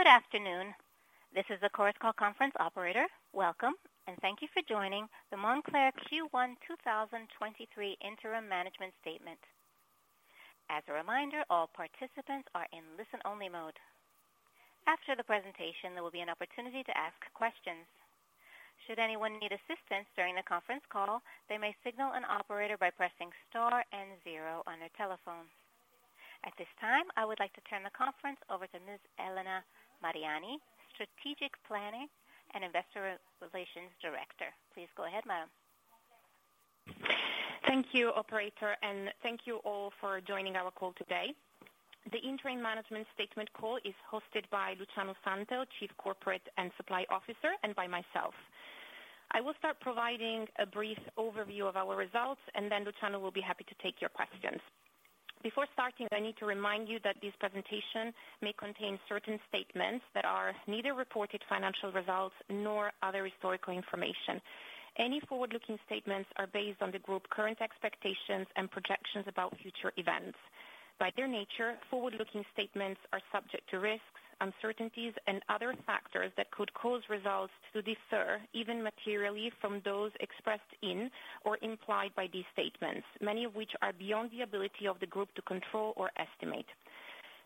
Good afternoon. This is the Chorus Call conference operator. Welcome. Thank you for joining the Moncler Q1 2023 Interim Management Statement. As a reminder, all participants are in listen-only mode. After the presentation, there will be an opportunity to ask questions. Should anyone need assistance during the conference call, they may signal an operator by pressing star and zero on their telephone. At this time, I would like to turn the conference over to Ms. Elena Mariani, Strategic Planning and Investor Relations Director. Please go ahead, ma'am. Thank you, Operator, and thank you all for joining our call today. The interim management statement call is hosted by Luciano Santel, Chief Corporate and Supply Officer, and by myself. I will start providing a brief overview of our results, and then Luciano will be happy to take your questions. Before starting, I need to remind you that this presentation may contain certain statements that are neither reported financial results nor other historical information. Any forward-looking statements are based on the group current expectations and projections about future events. By their nature, forward-looking statements are subject to risks, uncertainties and other factors that could cause results to differ, even materially, from those expressed in or implied by these statements, many of which are beyond the ability of the group to control or estimate.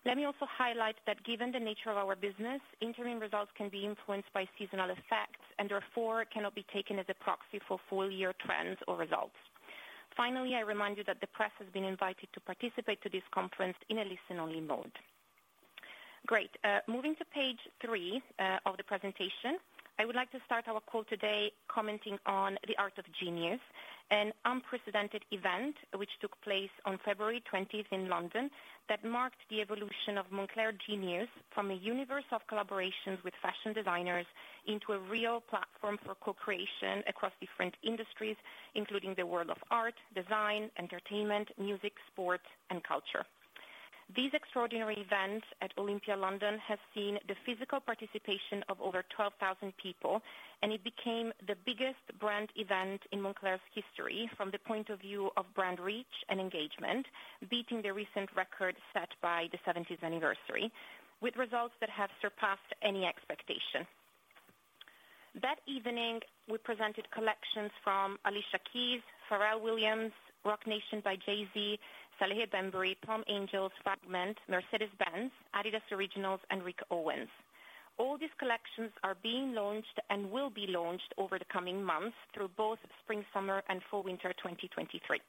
Let me also highlight that given the nature of our business, interim results can be influenced by seasonal effects and therefore cannot be taken as a proxy for full year trends or results. Finally, I remind you that the press has been invited to participate to this conference in a listen-only mode. Great. Moving to page three of the presentation, I would like to start our call today commenting on The Art of Genius, an unprecedented event which took place on February 20th in London that marked the evolution of Moncler Genius from a universe of collaborations with fashion designers into a real platform for co-creation across different industries, including the world of art, design, entertainment, music, sports, and culture. These extraordinary events at Olympia London have seen the physical participation of over 12,000 people. It became the biggest brand event in Moncler's history from the point of view of brand reach and engagement, beating the recent record set by the 70th anniversary with results that have surpassed any expectation. That evening, we presented collections from Alicia Keys, Pharrell Williams, Roc Nation by Jay-Z, Salehe Bembury, Palm Angels, Fragment, Mercedes-Benz, adidas Originals, and Rick Owens. All these collections are being launched and will be launched over the coming months through both Spring/Summer and Fall/Winter 2023.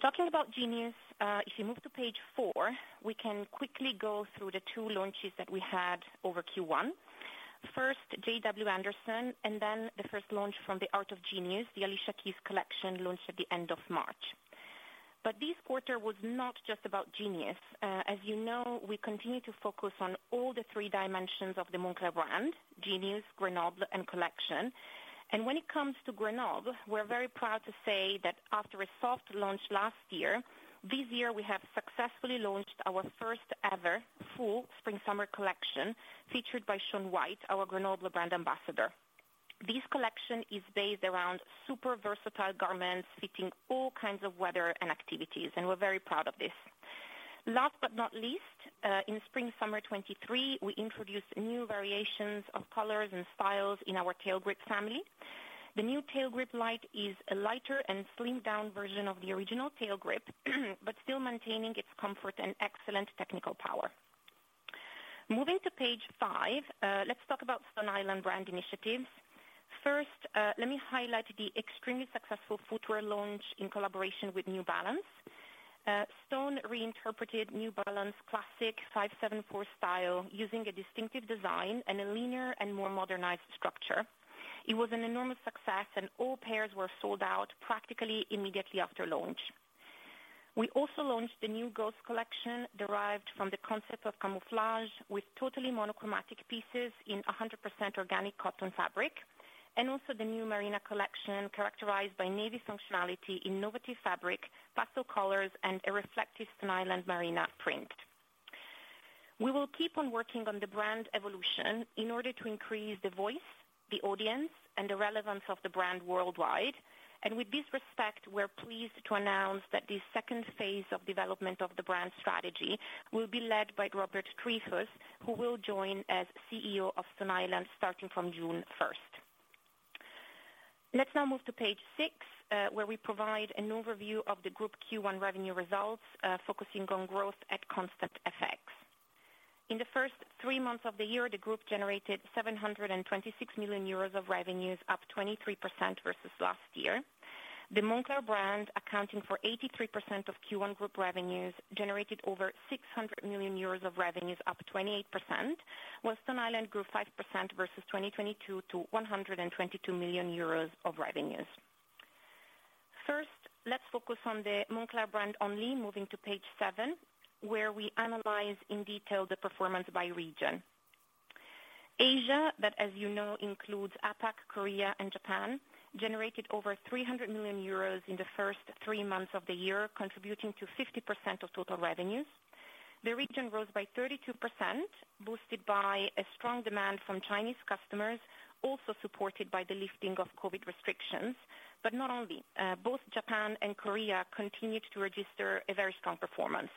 Talking about Genius, if you move to page four, we can quickly go through the two launches that we had over Q1. First, JW Anderson and then the first launch from The Art of Genius, the Alicia Keys collection, launched at the end of March. This quarter was not just about Genius. As you know, we continue to focus on all the three dimensions of the Moncler brand, Genius, Grenoble, and Collection. When it comes to Grenoble, we're very proud to say that after a soft launch last year, this year, we have successfully launched our first ever full spring/summer collection featured by Shaun White, our Grenoble brand ambassador. This collection is based around super versatile garments fitting all kinds of weather and activities, and we're very proud of this. Last but not least, in spring/summer 2023, we introduced new variations of colors and styles in our Trailgrip family. The new Trailgrip Life is a lighter and slimmed-down version of the original Trailgrip, but still maintaining its comfort and excellent technical power. Moving to page five, let's talk about Stone Island brand initiatives. First, let me highlight the extremely successful footwear launch in collaboration with New Balance. Stone reinterpreted New Balance classic 574 style using a distinctive design and a linear and more modernized structure. It was an enormous success, and all pairs were sold out practically immediately after launch. We also launched the new Ghost collection, derived from the concept of camouflage with totally monochromatic pieces in 100% organic cotton fabric, and also the new Marina collection, characterized by navy functionality, innovative fabric, pastel colors, and a reflective Stone Island Marina print. We will keep on working on the brand evolution in order to increase the voice, the audience, and the relevance of the brand worldwide. With this respect, we're pleased to announce that the second phase of development of the brand strategy will be led by Robert Triefus, who will join as CEO of Stone Island starting from June 1st. Let's now move to page six, where we provide an overview of the group Q1 revenue results, focusing on growth at constant FX. In the first three months of the year, the group generated 726 million euros of revenues, up 23% versus last year. The Moncler brand, accounting for 83% of Q1 group revenues, generated over 600 million euros of revenues up 28%, while Stone Island grew 5% versus 2022 to 122 million euros of revenues. First, let's focus on the Moncler brand only, moving to page seven, where we analyze in detail the performance by region. Asia, that, as you know, includes APAC, Korea and Japan, generated over 300 million euros in the first three months of the year, contributing to 50% of total revenues. The region rose by 32%, boosted by a strong demand from Chinese customers, also supported by the lifting of COVID restrictions, but not only. Both Japan and Korea continued to register a very strong performance.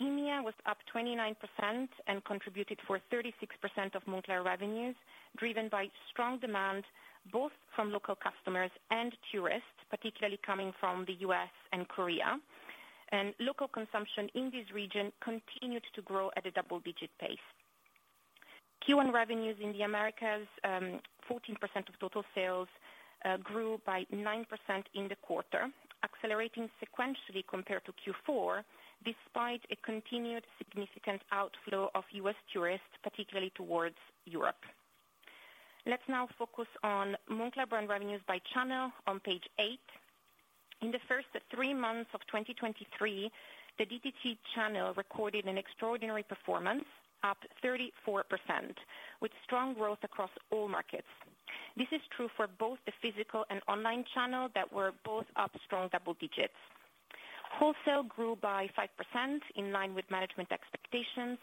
EMEA was up 29% and contributed for 36% of Moncler revenues, driven by strong demand both from local customers and tourists, particularly coming from the U.S. and Korea. Local consumption in this region continued to grow at a double-digit pace. Q1 revenues in the Americas, 14% of total sales, grew by 9% in the quarter, accelerating sequentially compared to Q4, despite a continued significant outflow of U.S. tourists, particularly towards Europe. Let's now focus on Moncler brand revenues by channel on page eight. In the first three months of 2023, the DTC channel recorded an extraordinary performance, up 34% with strong growth across all markets. This is true for both the physical and online channel that were both up strong double digits. Wholesale grew by 5% in line with management expectations.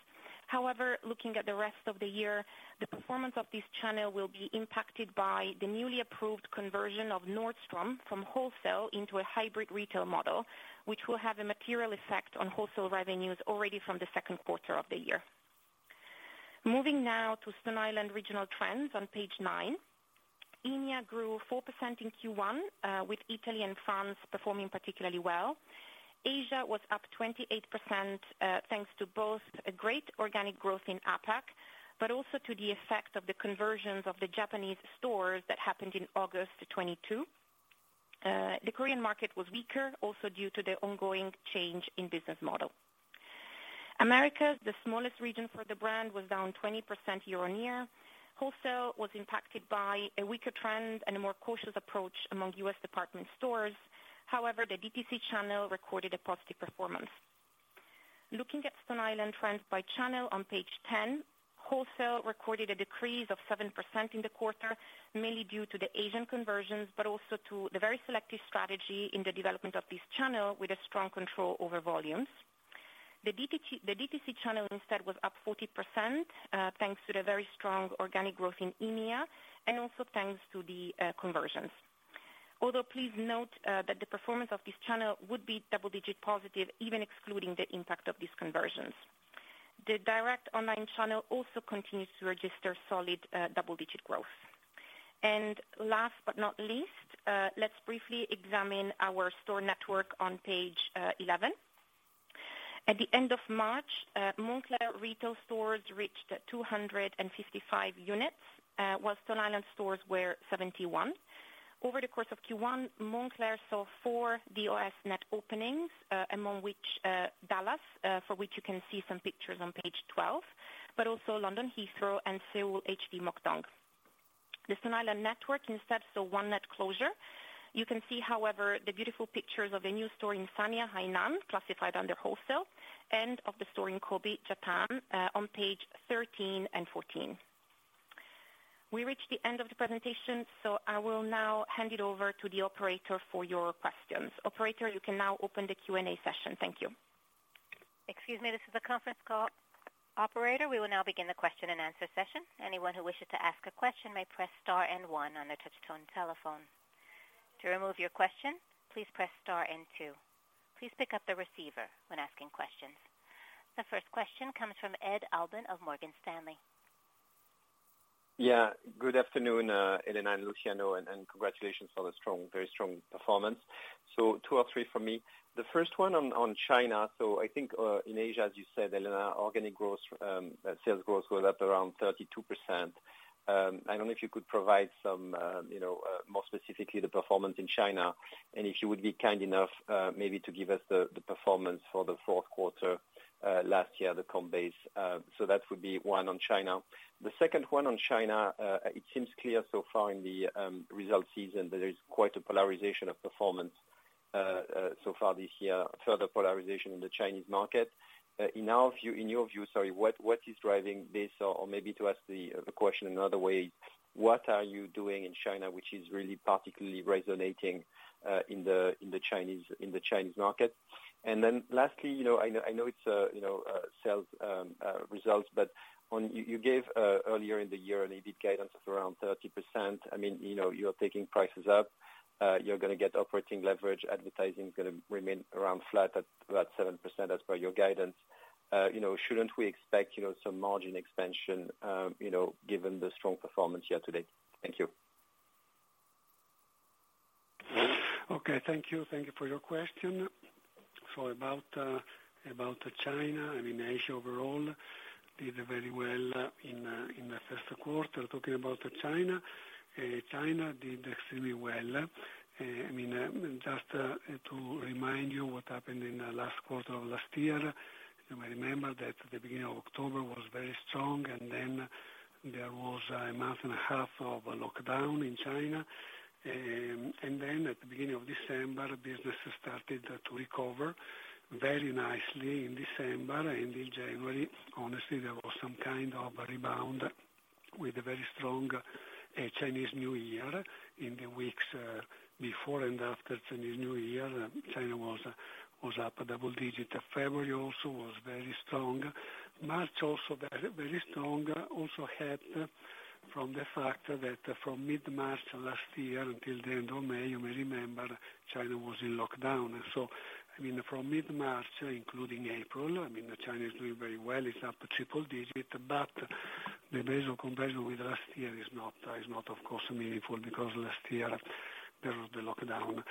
Looking at the rest of the year, the performance of this channel will be impacted by the newly approved conversion of Nordstrom from wholesale into a hybrid retail model, which will have a material effect on wholesale revenues already from the second quarter of the year. Moving now to Stone Island regional trends on page nine. EMEA grew 4% in Q1 with Italy and France performing particularly well. Asia was up 28%, thanks to both a great organic growth in APAC, but also to the effect of the conversions of the Japanese stores that happened in August 2022. The Korean market was weaker also due to the ongoing change in business model. Americas, the smallest region for the brand, was down 20% year-on-year. Wholesale was impacted by a weaker trend and a more cautious approach among U.S. department stores. However, the DTC channel recorded a positive performance. Looking at Stone Island trends by channel on page 10. Wholesale recorded a decrease of 7% in the quarter, mainly due to the Asian conversions, but also to the very selective strategy in the development of this channel with a strong control over volumes. The DTC channel instead was up 40% thanks to the very strong organic growth in EMEA and also thanks to the conversions. Although, please note that the performance of this channel would be double-digit positive even excluding the impact of these conversions. The direct online channel also continues to register solid double-digit growth. Last but not least, let's briefly examine our store network on page 11. At the end of March, Moncler retail stores reached 255 units while Stone Island stores were 71. Over the course of Q1, Moncler saw four DOS net openings among which Dallas, for which you can see some pictures on page 12, but also London Heathrow and Seoul HD Mokdong. The Stone Island network instead, saw one net closure. You can see, however, the beautiful pictures of a new store in Sanya, Hainan classified under wholesale, and of the store in Kobe, Japan, on page 13 and 14. We reached the end of the presentation. I will now hand it over to the operator for your questions. Operator, you can now open the Q&A session. Thank you. Excuse me, this is a conference call. Operator, we will now begin the question-and-answer session. Anyone who wishes to ask a question may press star and one on their touch-tone telephone. To remove your question, please press star and two. Please pick up the receiver when asking questions. The first question comes from Edouard Aubin of Morgan Stanley. Good afternoon, Elena and Luciano, and congratulations for the strong, very strong performance. Two or three from me, the first one on China. I think in Asia, as you said, Elena, organic growth, sales growth was up around 32%. I don't know if you could provide some, you know, more specifically the performance in China and if you would be kind enough maybe to give us the performance for the fourth quarter last year, the comp base. That would be one on China. The second one on China, it seems clear so far in the result season that there is quite a polarization of performance so far this year, further polarization in the Chinese market. In your view, sorry, what is driving this? Maybe to ask the question another way, what are you doing in China, which is really particularly resonating in the Chinese market? Lastly, you know, I know it's, you know, sales results, but on you gave earlier in the year an EBITDA guidance of around 30%. I mean, you know, you are taking prices up, you're gonna get operating leverage, advertising is gonna remain around flat at about 7% as per your guidance. You know, shouldn't we expect, you know, some margin expansion, you know, given the strong performance year-to-date? Thank you. Okay. Thank you. Thank you for your question. About China, I mean, Asia overall did very well in the first quarter. Talking about China did extremely well. I mean, just to remind you what happened in the last quarter of last year, you may remember that the beginning of October was very strong and then there was a month and a half of lockdown in China. At the beginning of December, business started to recover very nicely in December and in January. Honestly, there was some kind of a rebound with a very strong Chinese New Year. In the weeks before and after Chinese New Year, China was up a double digit. February also was very strong. March also very strong. From the fact that from mid-March last year until the end of May, you may remember China was in lockdown. I mean, from mid-March, including April, I mean, China is doing very well. It is up triple digit, but the base of comparison with last year is not, is not of course meaningful because last year there was the lockdown.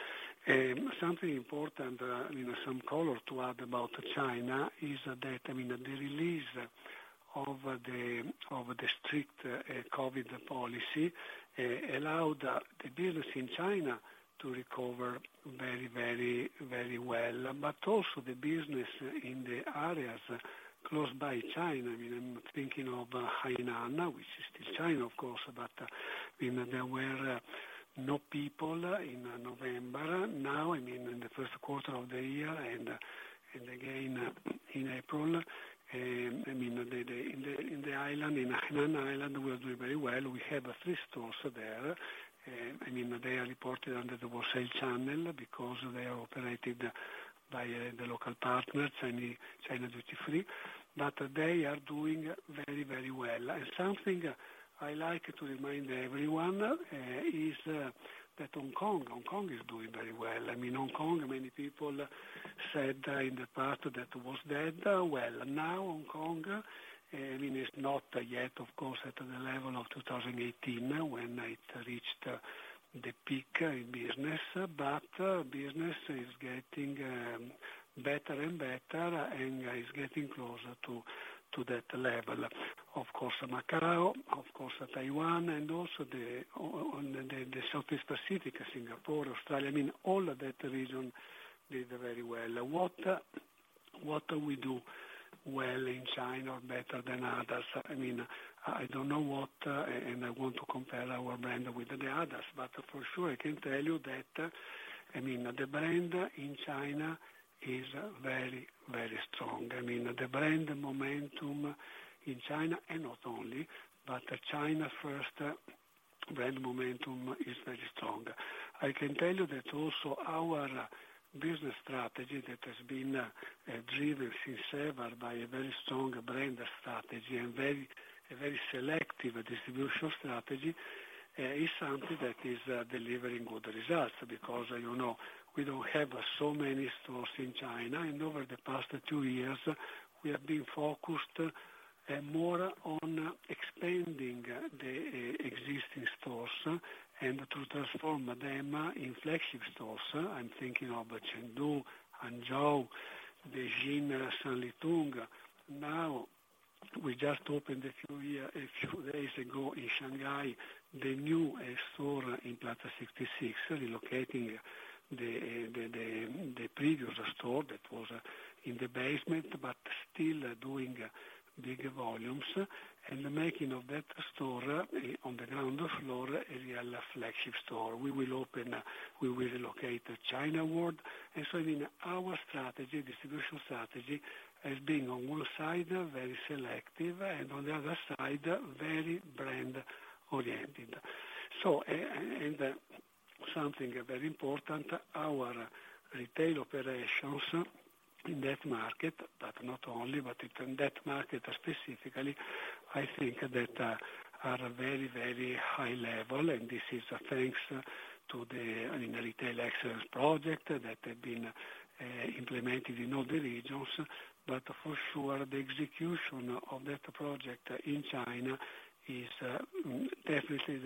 Something important, you know, some color to add about China is that, I mean, the release of the strict Covid policy allowed the business in China to recover very, very, very well. But also the business in the areas close by China, I mean, I am thinking of Hainan, which is still China, of course, but, I mean, there were no people in November. Now, in the first quarter of the year and again in April, in the island, in Hainan Island, we are doing very well. We have three stores there. They are reported under the wholesale channel because they are operated by the local partner, China Duty Free, they are doing very well. Something I like to remind everyone is that Hong Kong is doing very well. Hong Kong, many people said in the past that was dead. Well, now Hong Kong, it's not yet of course at the level of 2018 when it reached the peak in business. Business is getting better and better and is getting closer to that level. Of course, Macao, of course Taiwan and also the Southeast Pacific, Singapore, Australia, I mean all of that region did very well. What do we do well in China or better than others? I mean, I don't know what, and I want to compare our brand with the others. For sure I can tell you that, I mean, the brand in China is very, very strong. I mean, the brand momentum in China, and not only, but China first brand momentum is very strong. I can tell you that also our business strategy that has been driven since ever by a very strong brand strategy and a very selective distribution strategy is something that is delivering good results. Because you know, we don't have so many stores in China, and over the past two years we have been focused more on expanding the existing stores and to transform them in flagship stores. I'm thinking of Chengdu, Hangzhou, Beijing, Sanlitun. Now, we just opened a few days ago in Shanghai, the new store in Plaza 66, relocating the previous store that was in the basement but still doing big volumes. The making of that store on the ground floor, a real flagship store. We will locate China World. I mean, our strategy, distribution strategy has been on one side, very selective, and on the other side, very brand oriented. Something very important, our retail operations in that market, but not only, but in that market specifically, I think that are very high level. This is thanks to the, I mean, Retail Excellence project that had been implemented in all the regions. For sure the execution of that project in China is definitely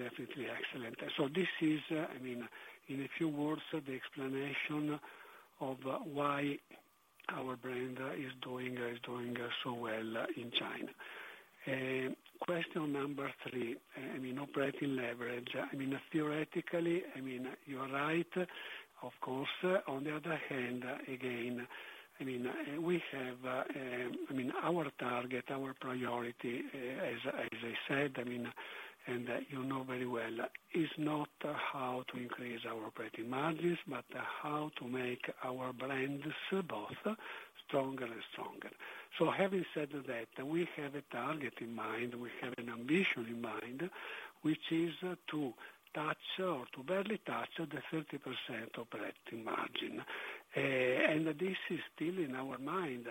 excellent. This is, I mean, in a few words, the explanation of why our brand is doing so well in China. Question number three. I mean, operating leverage. I mean, theoretically, I mean, you are right, of course. On the other hand, again, I mean, we have, I mean, our target, our priority, as I said, I mean, and you know very well, is not how to increase our operating margins, but how to make our brands both stronger and stronger. Having said that, we have a target in mind, we have an ambition in mind, which is to touch or to barely touch the 30% operating margin. This is still in our mind.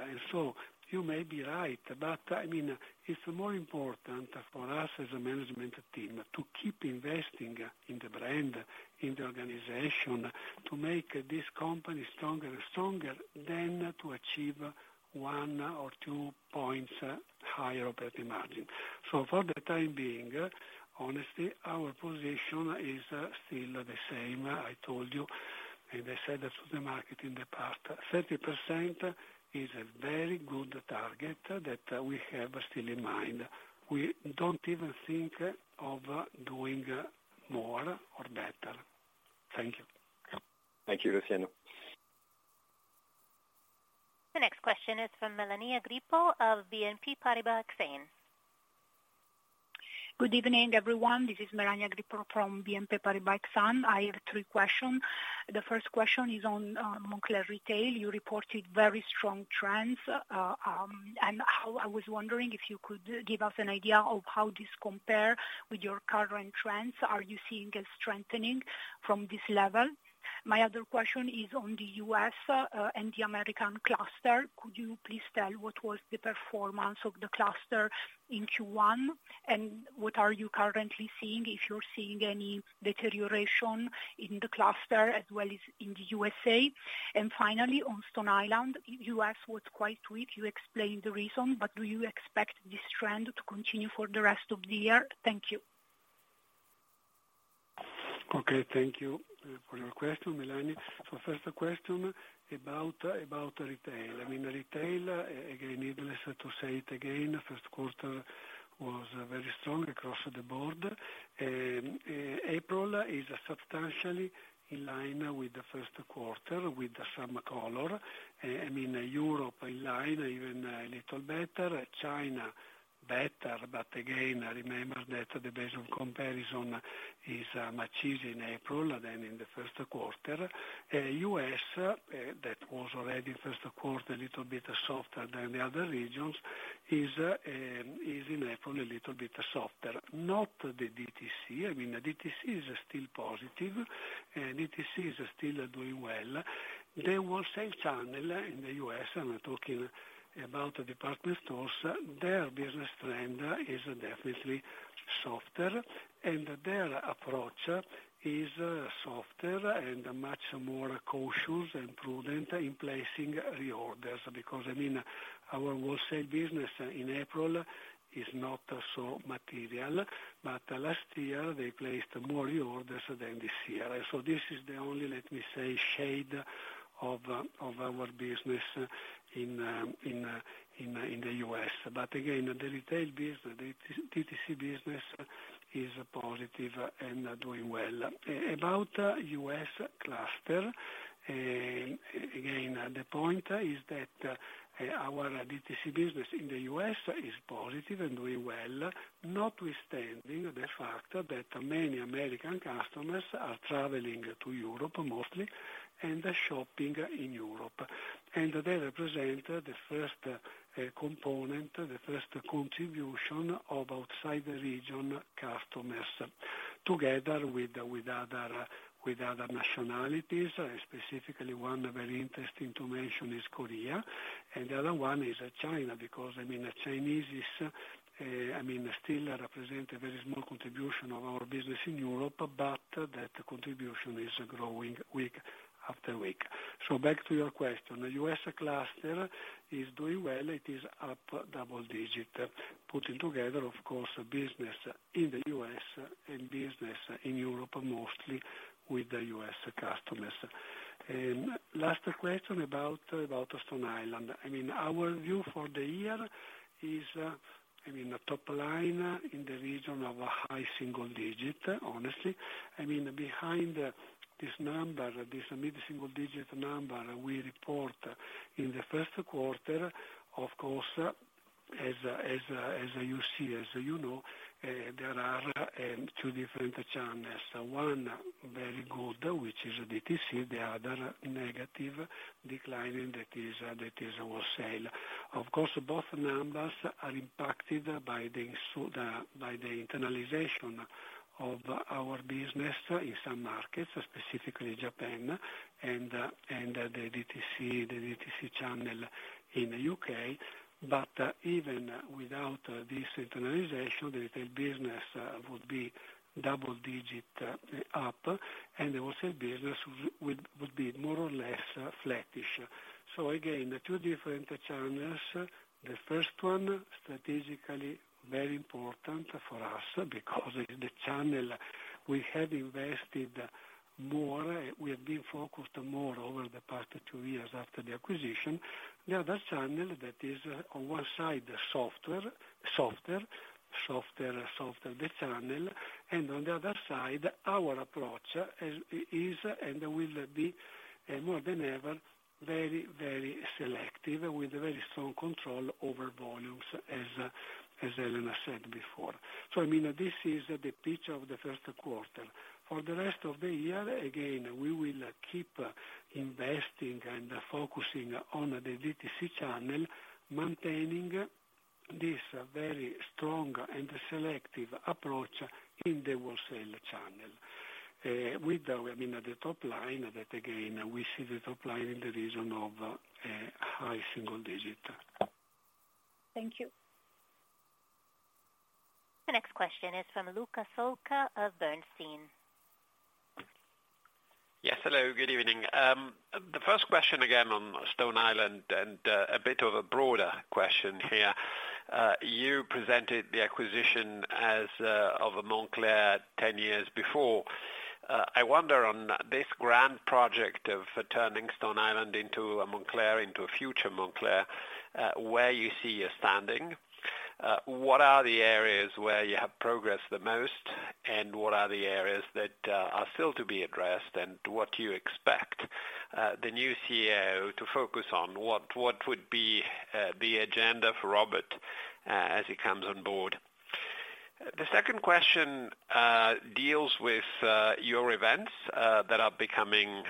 You may be right, but I mean, it's more important for us as a management team to keep investing in the brand, in the organization, to make this company stronger and stronger than to achieve one or two points higher operating margin. For the time being, honestly, our position is still the same. I told you, and I said this to the market in the past, 30% is a very good target that we have still in mind. We don't even think of doing more or better. Thank you. Thank you, Luciano. The next question is from Melania Grippo of BNP Paribas Exane. Good evening, everyone. This is Melania Grippo from BNP Paribas Exane. I have three questions. The first question is on Moncler retail. You reported very strong trends. I was wondering if you could give us an idea of how this compare with your current trends. Are you seeing a strengthening from this level? My other question is on the U.S. and the American cluster. Could you please tell what was the performance of the cluster in Q1? What are you currently seeing, if you're seeing any deterioration in the cluster as well as in the U.S.A.? Finally, on Stone Island, U.S. was quite weak. You explained the reason, but do you expect this trend to continue for the rest of the year? Thank you. Thank you for your question, Melania. First question about retail. I mean, retail, again, needless to say it again, first quarter was very strong across the board. April is substantially in line with the first quarter with the same color. I mean, Europe in line, even a little better. China better, but again, remember that the base of comparison is much easier in April than in the first quarter. U.S., that was already first quarter a little bit softer than the other regions, is in April a little bit softer. Not the DTC. I mean, the DTC is still positive, and DTC is still doing well. The wholesale channel in the U.S., I'm talking about the department stores, their business trend is definitely softer, and their approach is softer and much more cautious and prudent in placing reorders. I mean, our wholesale business in April is not so material, but last year they placed more reorders than this year. This is the only, let me say, shade of our business in the U.S. The retail business, the DTC business is positive and doing well. About U.S. cluster, again, the point is that our DTC business in the U.S. is positive and doing well, notwithstanding the fact that many American customers are traveling to Europe mostly, and are shopping in Europe. They represent the first component, the first contribution of outside the region customers, together with other, with other nationalities. Specifically, one very interesting to mention is Korea, and the other one is China. I mean, the Chinese is, I mean, still represent a very small contribution of our business in Europe, but that contribution is growing week after week. Back to your question. The U.S. cluster is doing well. It is up double-digit. Putting together, of course, business in the U.S. and business in Europe, mostly with the U.S. customers. Last question about Stone Island. I mean, our view for the year is, I mean, top line in the region of a high single-digit, honestly. I mean, behind this number, this mid-single-digit number we report in the first quarter, of course, as you see, as you know, there are two different channels. One, very good, which is DTC. The other, negative, declining, that is wholesale. Of course, both numbers are impacted by the internalization of our business in some markets, specifically Japan and the DTC, the DTC channel in the U.K. Even without this internalization, the retail business would be double digit up, and the wholesale business would be more or less flattish. Again, two different channels. The first one, strategically very important for us because it's the channel we have invested more. We have been focused more over the past two years after the acquisition. The other channel that is, on one side, softer the channel. On the other side, our approach is and will be more than ever, very, very selective with very strong control over volumes as Elena said before. I mean, this is the picture of the first quarter. For the rest of the year, again, we will keep investing and focusing on the DTC channel, maintaining this very strong and selective approach in the wholesale channel. With the, I mean, the top line, that again, we see the top line in the region of a high single digit. Thank you. The next question is from Luca Solca of Bernstein. Yes, hello, good evening. The first question again on Stone Island and a bit of a broader question here. You presented the acquisition as of Moncler 10 years before. I wonder on this grand project of turning Stone Island into a Moncler, into a future Moncler, where you see you're standing. What are the areas where you have progressed the most, and what are the areas that are still to be addressed? What do you expect the new CEO to focus on? What would be the agenda for Robert as he comes on board? The second question deals with your events that are becoming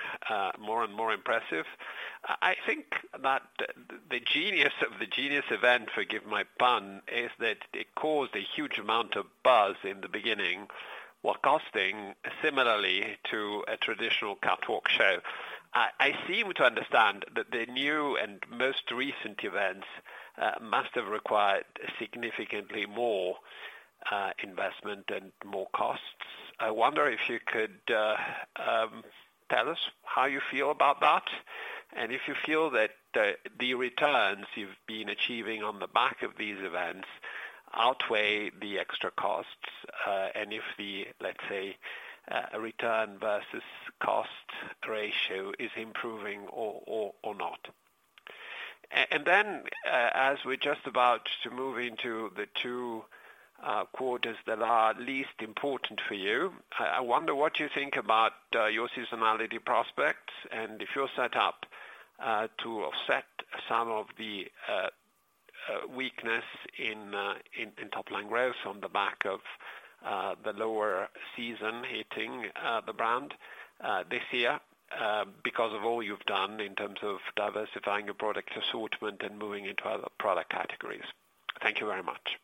more and more impressive. I think that the genius of the Genius event, forgive my pun, is that it caused a huge amount of buzz in the beginning while costing similarly to a traditional catwalk show. I seem to understand that the new and most recent events must have required significantly more investment and more costs. I wonder if you could tell us how you feel about that, and if you feel that the returns you've been achieving on the back of these events outweigh the extra costs, and if the, let's say, return versus cost ratio is improving or not. Then, as we're just about to move into the two quarters that are least important for you, I wonder what you think about your seasonality prospects and if you're set up to offset some of the weakness in top line growth on the back of the lower season hitting the brand this year because of all you've done in terms of diversifying your product assortment and moving into other product categories. Thank you very much.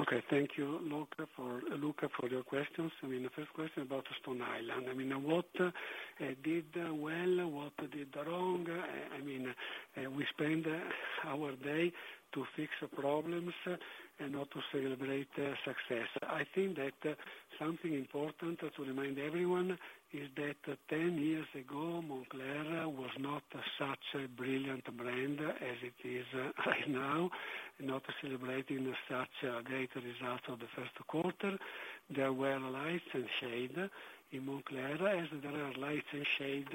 Okay, thank you, Luca, for your questions. I mean, the first question about Stone Island. I mean, what did well, what did wrong. I mean, we spend our day to fix problems and not to celebrate success. I think that something important to remind everyone is that 10 years ago, Moncler was not such a brilliant brand as it is right now, not celebrating such a great result of the first quarter. There were lights and shade in Moncler, as there are lights and shade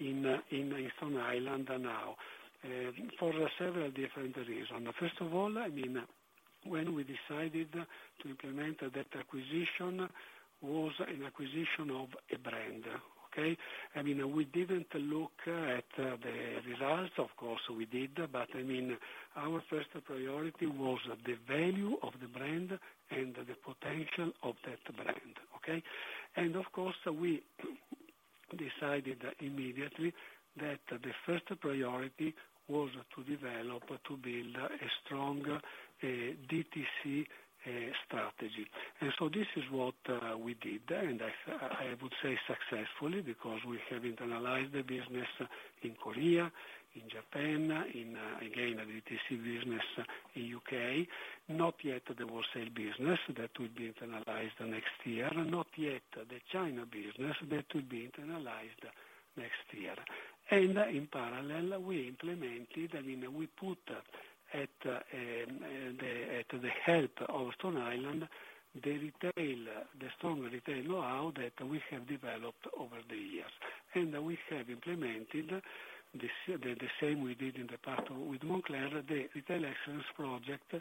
in Stone Island now, for several different reason. First of all, I mean, when we decided to implement that acquisition was an acquisition of a brand, okay? I mean, we didn't look at the results. Of course we did, but, I mean, our first priority was the value of the brand and the potential of that brand, okay. Of course, we decided immediately that the first priority was to develop, to build a strong DTC strategy. This is what we did, and I would say successfully, because we have internalized the business in Korea, in Japan, in, again, the DTC business in U.K., not yet the wholesale business that will be internalized next year, not yet the China business that will be internalized next year. In parallel, we implemented, I mean, we put at the help of Stone Island, the retail, the strong retail know-how that we have developed over the years. We have implemented the same we did in the past with Moncler, the Retail Excellence project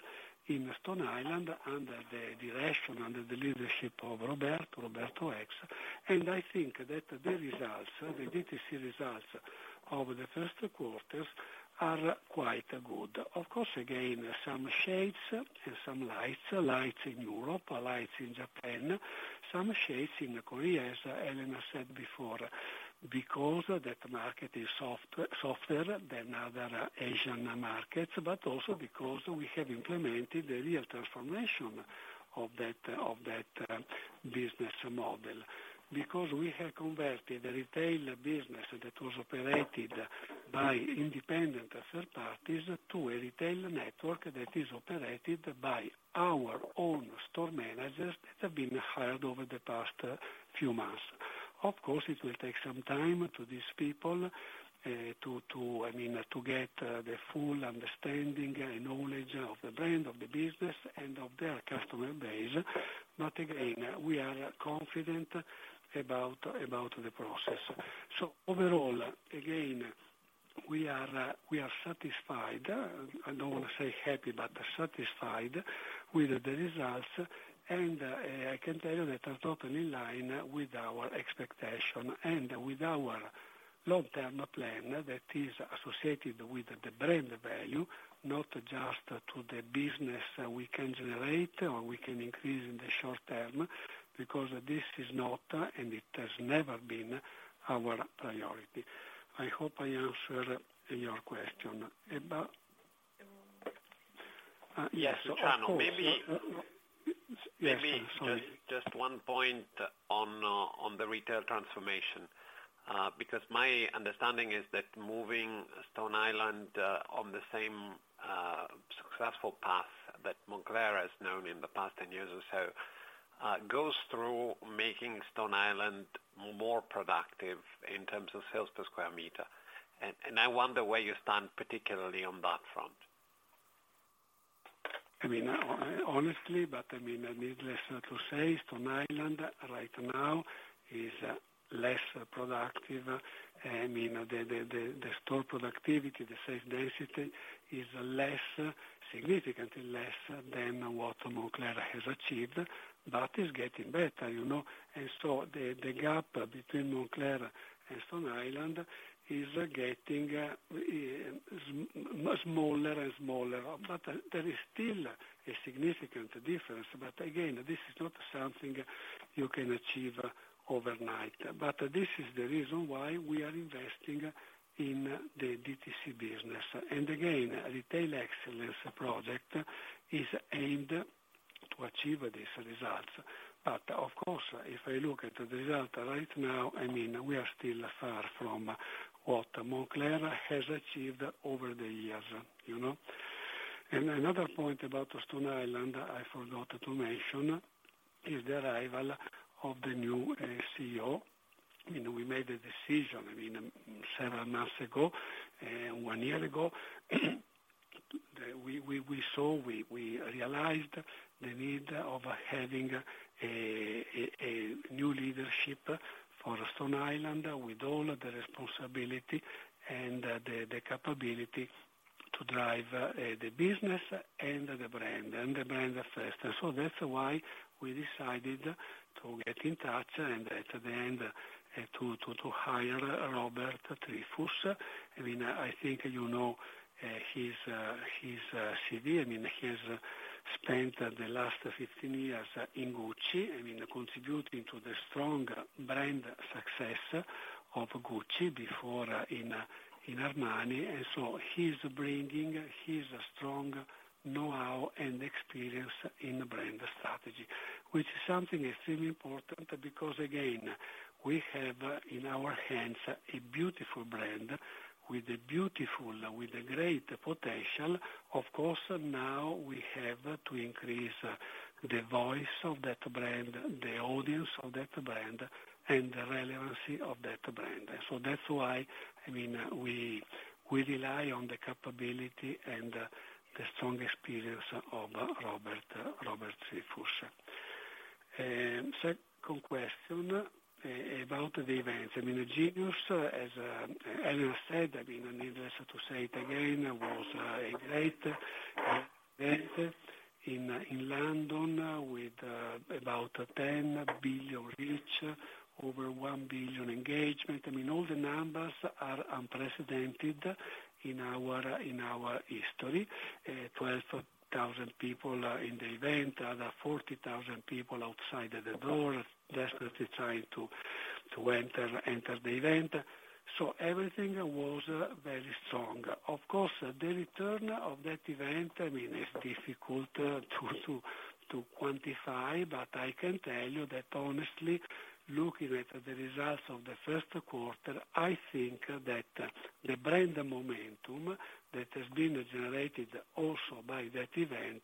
in Stone Island under the direction, under the leadership of Roberto Eggs. I think that the results, the DTC results of the first quarters are quite good. Of course, again, some shades and some lights. Lights in Europe, lights in Japan, some shades in Korea, as Elena said before, because that market is soft, softer than other Asian markets, but also because we have implemented the real transformation of that, of that business model. We have converted the retail business that was operated by independent third parties to a retail network that is operated by our own store managers that have been hired over the past few months. Of course, it will take some time to these people, to, I mean, to get the full understanding and knowledge of the brand, of the business, and of their customer base. Again, we are confident about the process. Overall, again, we are satisfied. I don't want to say happy, but satisfied with the results. I can tell you that are totally in line with our expectation and with our long-term plan that is associated with the brand value, not just to the business we can generate or we can increase in the short term, because this is not, and it has never been our priority. I hope I answer your question. Elena? Yes, of course. Luciano, maybe-. Yes, sorry. Maybe just one point on the retail transformation, because my understanding is that moving Stone Island on the same successful path that Moncler has known in the past 10 years or so, goes through making Stone Island more productive in terms of sales per square meter. I wonder where you stand particularly on that front. I mean, honestly, but I mean, needless to say, Stone Island right now is less productive. I mean the store productivity, the sales density is less, significantly less than what Moncler has achieved, but is getting better, you know. The gap between Moncler and Stone Island is getting smaller and smaller, but there is still a significant difference. Again, this is not something you can achieve overnight. This is the reason why we are investing in the DTC business. Again, Retail Excellence Project is aimed to achieve these results. Of course, if I look at the result right now, I mean, we are still far from what Moncler has achieved over the years, you know. Another point about Stone Island I forgot to mention is the arrival of the new CEO. You know, we made a decision, I mean, several months ago and one year ago, we saw, we realized the need of having a new leadership for Stone Island with all the responsibility and the capability to drive the business and the brand, and the brand first. That's why we decided to get in touch and at the end to hire Robert Triefus. I mean, I think you know, his CV. I mean, he has spent the last 15 years in Gucci, I mean, contributing to the strong brand success of Gucci before in Armani. He's bringing his strong know-how and experience in brand strategy, which is something extremely important because again, we have in our hands a beautiful brand with a great potential. Of course, now we have to increase the voice of that brand, the audience of that brand, and the relevancy of that brand. That's why, I mean, we rely on the capability and the strong experience of Robert Triefus. Second question about the event. I mean, Moncler Genius, as Elena said, I mean, needless to say it again, was a great event in London with about 10 billion reach, over 1 billion engagement. I mean, all the numbers are unprecedented in our history. 12,000 people in the event, other 40,000 people outside the door desperately trying to enter the event. Everything was very strong. Of course, the return of that event, I mean, it's difficult to quantify, but I can tell you that honestly, looking at the results of the first quarter, I think that the brand momentum that has been generated also by that event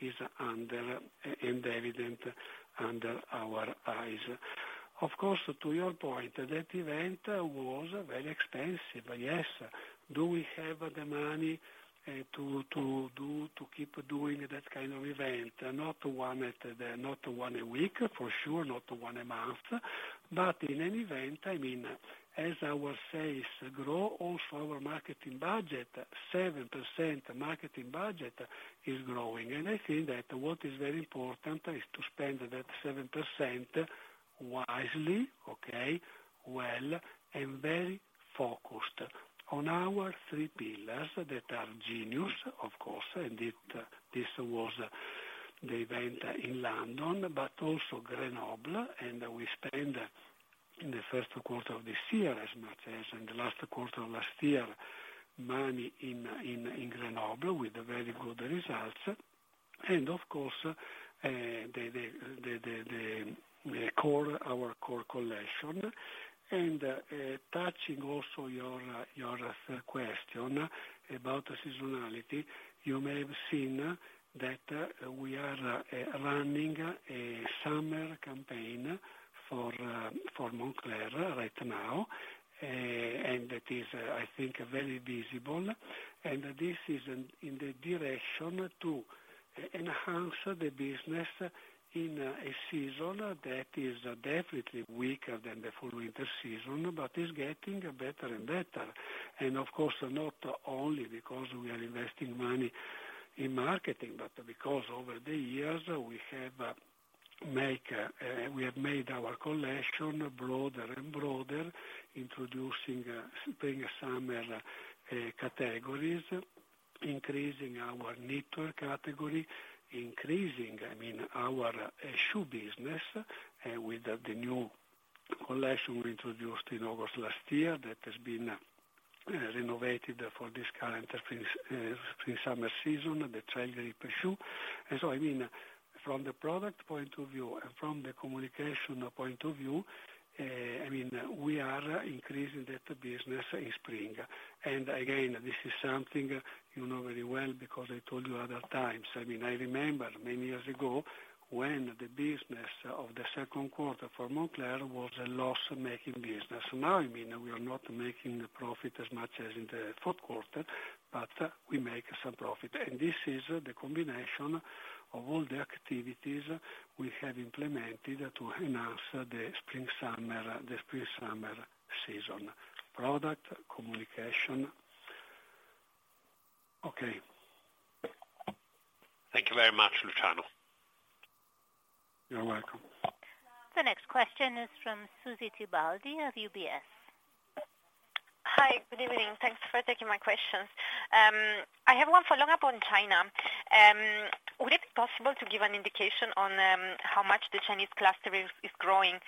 is under and evident under our eyes. Of course, to your point, that event was very expensive. Yes. Do we have the money to keep doing that kind of event? Not one a week, for sure, not one a month. In an event, I mean, as our sales grow, also our marketing budget, 7% marketing budget is growing. I think that what is very important is to spend that 7% wisely, okay, well, and very focused on our three pillars that are Moncler Genius, of course, and this was the event in London, but also Moncler Grenoble. We spend in the first quarter of this year as much as in the last quarter of last year, money in Moncler Grenoble with very good results. Of course, the core, our core collection. Touching also your third question about seasonality, you may have seen that we are running a summer campaign for Moncler right now, and that is, I think, very visible. This is in the direction to enhance the business in a season that is definitely weaker than the full winter season but is getting better and better. Of course, not only because we are investing money in marketing, but because over the years we have made our collection broader and broader, introducing spring/summer categories, increasing our knitware category, increasing, I mean, our shoe business with the new collection we introduced in August last year that has been renovated for this current spring/summer season, the Trailgrip shoe. So, I mean, from the product point of view and from the communication point of view, I mean, we are increasing that business in spring. Again, this is something you know very well because I told you other times. I mean, I remember many years ago when the business of the second quarter for Moncler was a loss-making business. Now, I mean, we are not making profit as much as in the fourth quarter, but we make some profit. This is the combination of all the activities we have implemented to enhance the spring/summer season. Product, communication. Okay. Thank you very much, Luciano. You're welcome. The next question is from Susy Tibaldi of UBS. Hi, good evening. Thanks for taking my questions. I have one follow-up on China. Would it be possible to give an indication on how much the Chinese cluster is growing?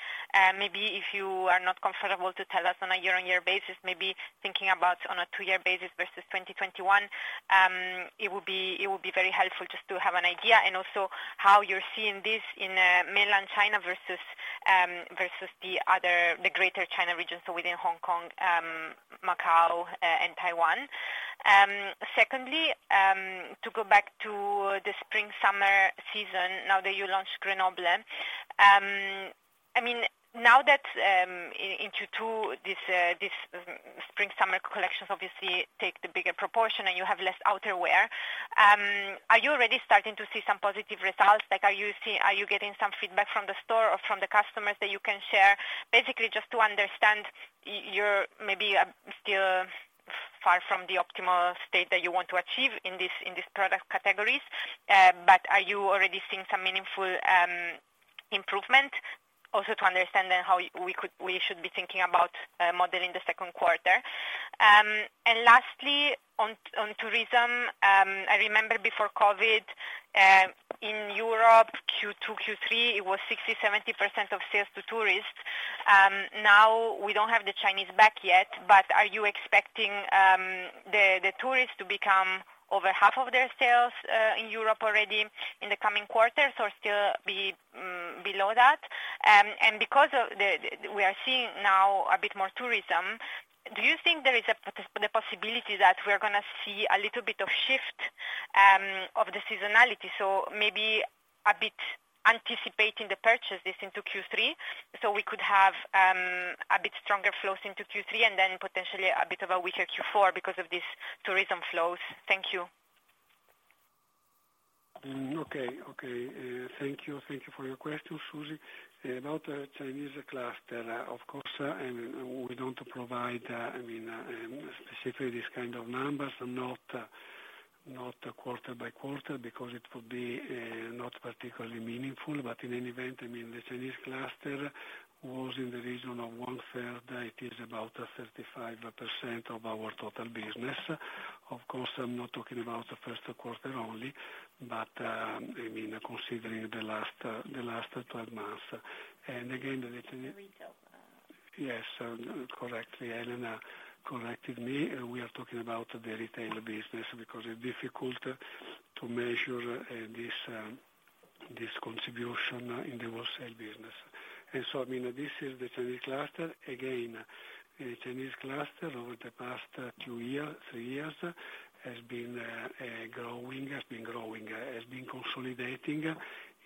Maybe if you are not comfortable to tell us on a year-on-year basis, maybe thinking about on a two year basis versus 2021, it would be very helpful just to have an idea, and also how you're seeing this in mainland China versus the Greater China region, so within Hong Kong, Macao, and Taiwan. Secondly, to go back to the spring/summer season, now that you launched Grenoble, I mean, now that into two this spring/summer collections obviously take the bigger proportion and you have less outerwear, are you already starting to see some positive results? Are you getting some feedback from the store or from the customers that you can share? Basically, just to understand your maybe, still far from the optimal state that you want to achieve in this, in these product categories, but are you already seeing some meaningful improvement? Also to understand then how we could, we should be thinking about modeling the second quarter. Lastly on tourism, I remember before COVID, in Europe, Q2, Q3, it was 60%, 70% of sales to tourists. Now we don't have the Chinese back yet, but are you expecting the tourists to become over half of their sales in Europe already in the coming quarters or still be below that? Because of the, we are seeing now a bit more tourism, do you think there is the possibility that we are gonna see a little bit of shift of the seasonality, maybe a bit anticipating the purchases into Q3, we could have a bit stronger flows into Q3 and then potentially a bit of a weaker Q4 because of this tourism flows? Thank you. Okay. Okay. Thank you. Thank you for your question, Susy. About Chinese cluster, of course, we don't provide, I mean, specifically these kind of numbers, not quarter-by-quarter because it would be not particularly meaningful. In any event, I mean, the Chinese cluster was in the region of 1/3. It is about 35% of our total business. Of course, I'm not talking about the first quarter only, but, I mean, considering the last 12 months. Retail. Yes. Correctly, Elena corrected me. We are talking about the retail business because it's difficult to measure this contribution in the wholesale business. I mean, this is the Chinese cluster. Again, the Chinese cluster over the past two years, three years has been growing, has been consolidating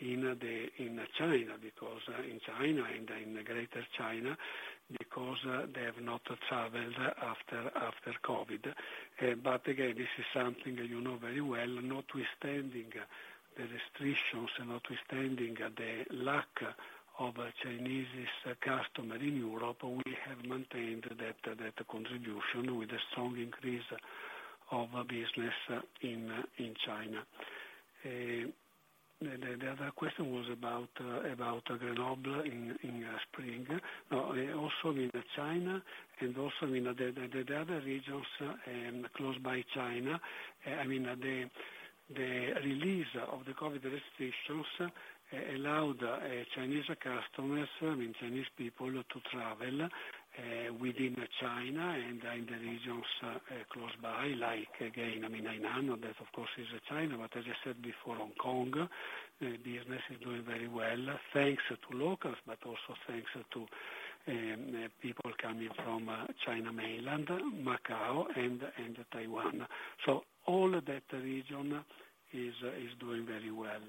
in China because in China and in Greater China because they have not traveled after COVID. Again, this is something you know very well, notwithstanding the restrictions and notwithstanding the lack of Chinese customer in Europe, we have maintained that contribution with a strong increase of business in China. The other question was about Grenoble in spring. Also in China and also in the other regions close by China, I mean, the release of the COVID restrictions allowed Chinese customers, I mean, Chinese people to travel within China and in the regions close by, like again, I mean, I know that of course is China, but as I said before, Hong Kong business is doing very well thanks to locals, but also thanks to people coming from China mainland, Macao and Taiwan. All that region is doing very well.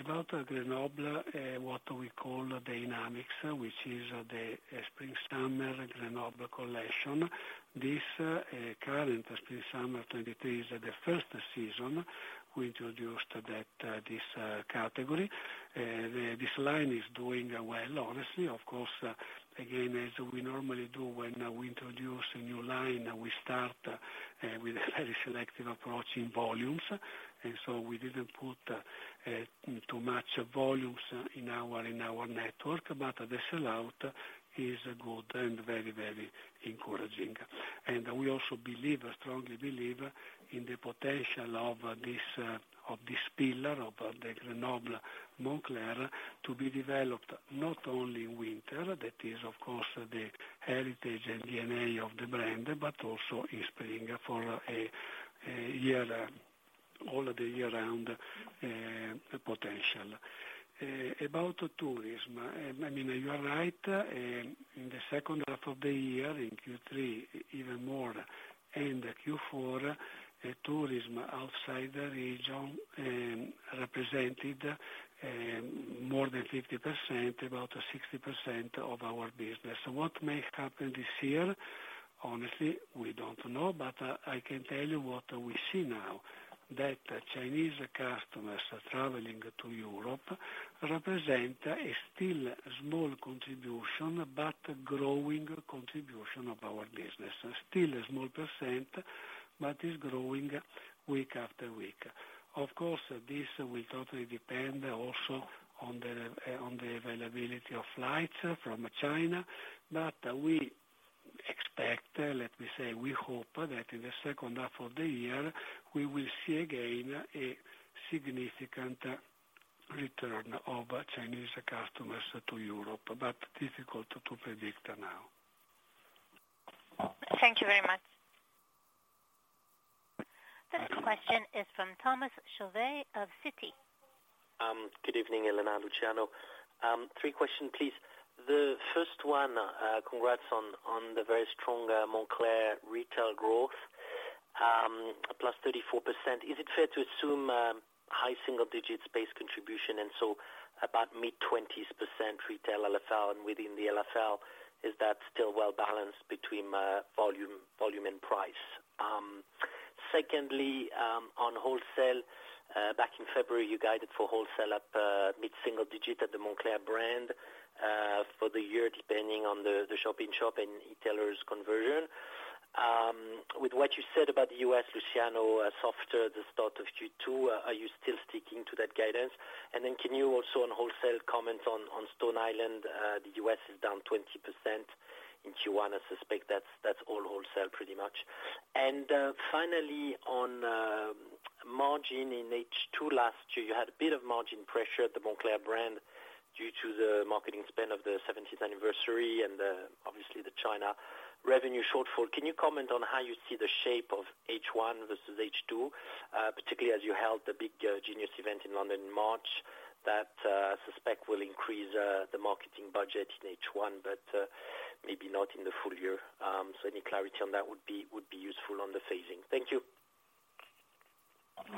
About Moncler Grenoble, what we call Day-namic, which is the Spring/Summer Moncler Grenoble collection. This current Spring/Summer 2023 is the first season we introduced that this category. This line is doing well, honestly. Of course, again, as we normally do when we introduce a new line, we start with a very selective approach in volumes. We didn't put too much volumes in our network, but the sellout is good and very, very encouraging. We also believe, strongly believe in the potential of this pillar of the Moncler Grenoble to be developed not only in winter, that is of course the heritage and DNA of the brand, but also in spring for a year, all the year round potential. About tourism, I mean, you are right. In the second half of the year, in Q3 even more and Q4, tourism outside the region, represented more than 50%, about 60% of our business. What may happen this year? Honestly, we don't know, but I can tell you what we see now, that Chinese customers traveling to Europe represent a still small contribution but growing contribution of our business. Still a small percent. Is growing week after week. Of course, this will totally depend also on the availability of flights from China, but we expect, let me say, we hope that in the second half of the year, we will see again a significant return of Chinese customers to Europe, but difficult to predict now. Thank you very much. The next question is from Thomas Chauvet of Citi. Good evening, Elena, Luciano. Three questions, please. The first one, congrats on the very strong Moncler retail growth. +34%. Is it fair to assume high single-digits base contribution and about mid-20s% retail LFL? And within the LFL, is that still well balanced between volume and price? Secondly, on wholesale, back in February, you guided for wholesale up mid-single-digit at the Moncler brand for the year, depending on the shop-in-shop and e-tailers conversion. With what you said about the U.S., Luciano, softer the start of Q2, are you still sticking to that guidance? Can you also on wholesale comment on Stone Island? The U.S. is down 20% in Q1. I suspect that's all wholesale pretty much. Finally, on margin in H2 last year, you had a bit of margin pressure at the Moncler brand due to the marketing spend of the 70th anniversary and obviously the China revenue shortfall. Can you comment on how you see the shape of H1 versus H2, particularly as you held the big Genius event in London in March that I suspect will increase the marketing budget in H1, but maybe not in the full year. Any clarity on that would be useful on the phasing. Thank you.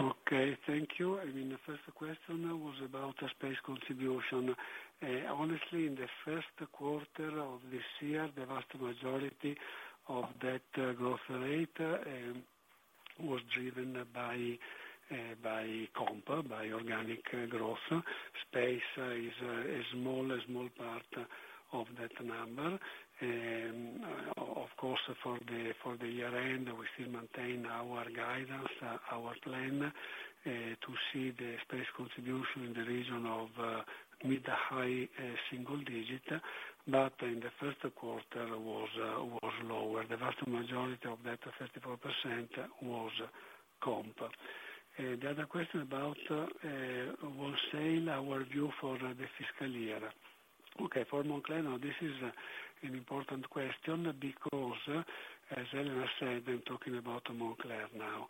Okay. Thank you. I mean, the first question was about the space contribution. Honestly, in the first quarter of this year, the vast majority of that growth rate was driven by comp, by organic growth. Space is a small part of that number. Of course, for the year end, we still maintain our guidance, our plan to see the space contribution in the region of mid-high single digit, but in the first quarter was lower. The vast majority of that 34% was comp. The other question about wholesale, our view for the fiscal year. For Moncler, now this is an important question because, as Elena said, I'm talking about Moncler now.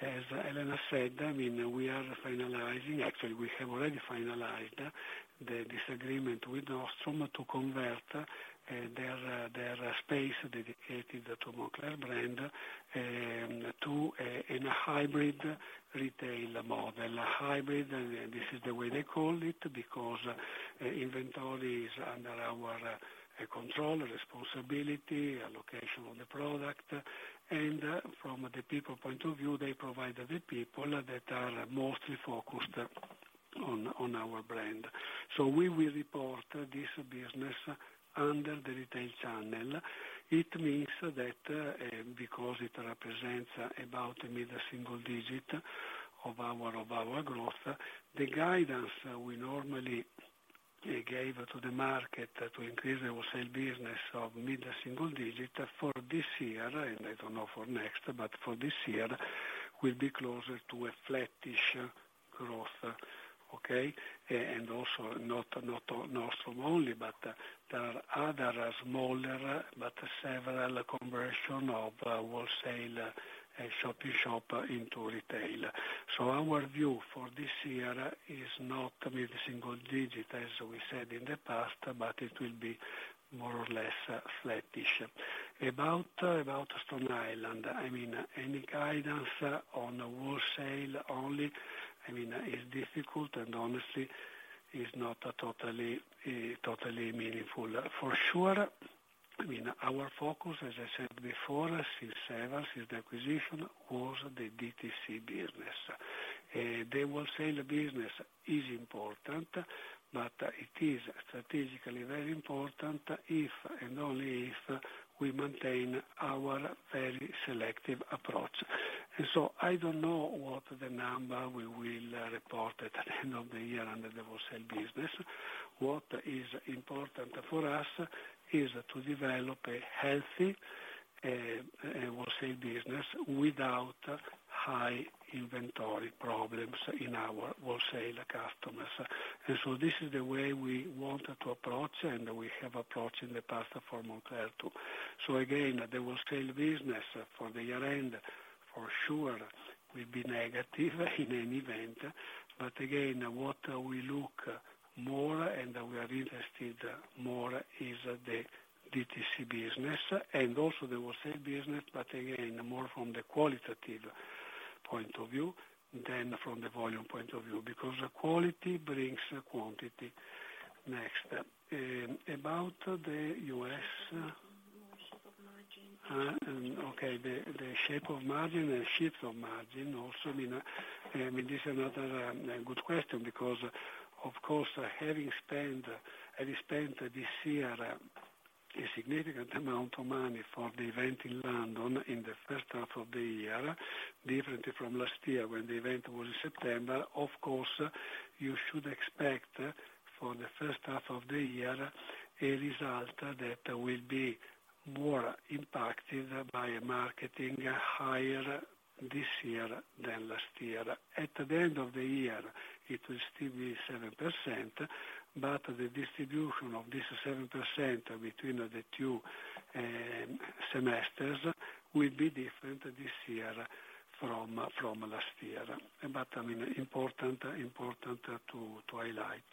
As Elena said, I mean, we are finalizing... Actually, we have already finalized this agreement with Nordstrom to convert their space dedicated to Moncler brand to in a hybrid retail model. A hybrid, this is the way they call it because inventory is under our control, responsibility, allocation of the product. From the people point of view, they provide the people that are mostly focused on our brand. We will report this business under the retail channel. It means that because it represents about mid-single digit of our growth, the guidance we normally gave to the market to increase the wholesale business of mid-single digit for this year, and I don't know for next, but for this year, will be closer to a flattish growth. Okay? Also not Nordstrom only, but there are other smaller but several conversion of wholesale shop-in-shop into retail. Our view for this year is not mid-single digit as we said in the past, but it will be more or less flattish. About Stone Island, I mean, any guidance on wholesale only, I mean, is difficult and honestly is not totally meaningful. For sure, I mean, our focus, as I said before, since the acquisition, was the DTC business. The wholesale business is important, but it is strategically very important if and only if we maintain our very selective approach. I don't know what the number we will report at the end of the year under the wholesale business. What is important for us is to develop a healthy wholesale business without high inventory problems in our wholesale customers. This is the way we want to approach and we have approached in the past for Moncler too. Again, the wholesale business for the year end, for sure will be negative in any event. Again, what we look more and we are interested more is the DTC business and also the wholesale business, but again, more from the qualitative point of view than from the volume point of view, because quality brings quantity. Next. About the U.S.- More shape of margin. Okay. The shape of margin and shifts of margin also, I mean, this is another good question because of course having spent this year A significant amount of money for the event in London in the first half of the year, differently from last year when the event was in September. Of course, you should expect for the first half of the year, a result that will be more impacted by marketing higher this year than last year. At the end of the year, it will still be 7%, but the distribution of this 7% between the two semesters will be different this year from last year. I mean, important to highlight.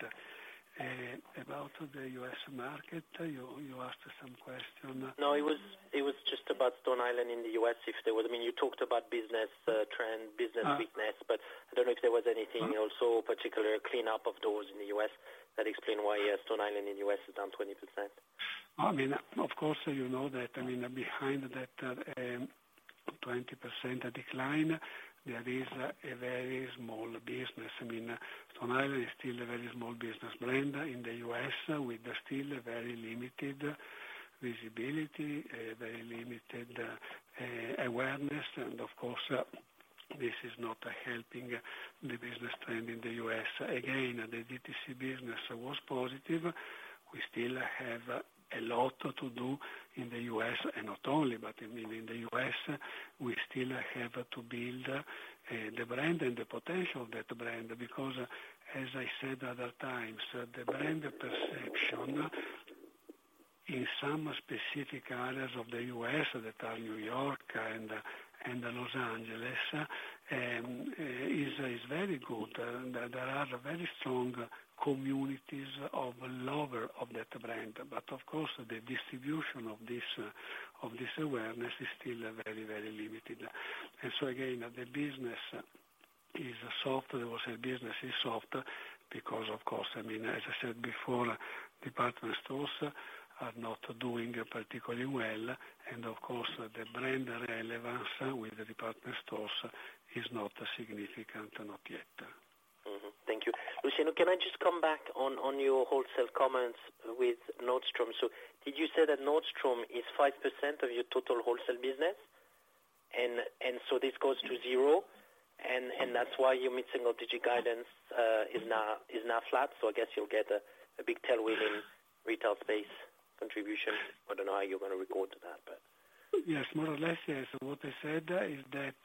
About the U.S. market, you asked some question. No, it was just about Stone Island in the U.S. if there was... I mean, you talked about business trend, business weakness, but I don't know if there was anything also particular cleanup of those in the U.S. that explain why, yes, Stone Island in the U.S. is down 20%. I mean, of course, you know that, I mean, behind that, 20% decline, there is a very small business. I mean, Stone Island is still a very small business brand in the U.S. with still very limited visibility, very limited awareness. Of course, this is not helping the business trend in the U.S. Again, the DTC business was positive. We still have a lot to do in the U.S., and not only, but I mean, in the U.S., we still have to build the brand and the potential of that brand, because as I said other times, the brand perception in some specific areas of the U.S. that are New York and Los Angeles, is very good. There are very strong communities of lover of that brand. Of course, the distribution of this of this awareness is still very, very limited. Again, the business is soft. The wholesale business is soft because of course, I mean, as I said before, department stores are not doing particularly well, and of course, the brand relevance with the department stores is not significant. Not yet. Thank you. Luciano, can I just come back on your wholesale comments with Nordstrom? Did you say that Nordstrom is 5% of your total wholesale business? This goes to zero and that's why you're missing low-digit guidance, is now flat. I guess you'll get a big tailwind in retail space contribution. I don't know how you're gonna record that, but. Yes, more or less, yes. What I said is that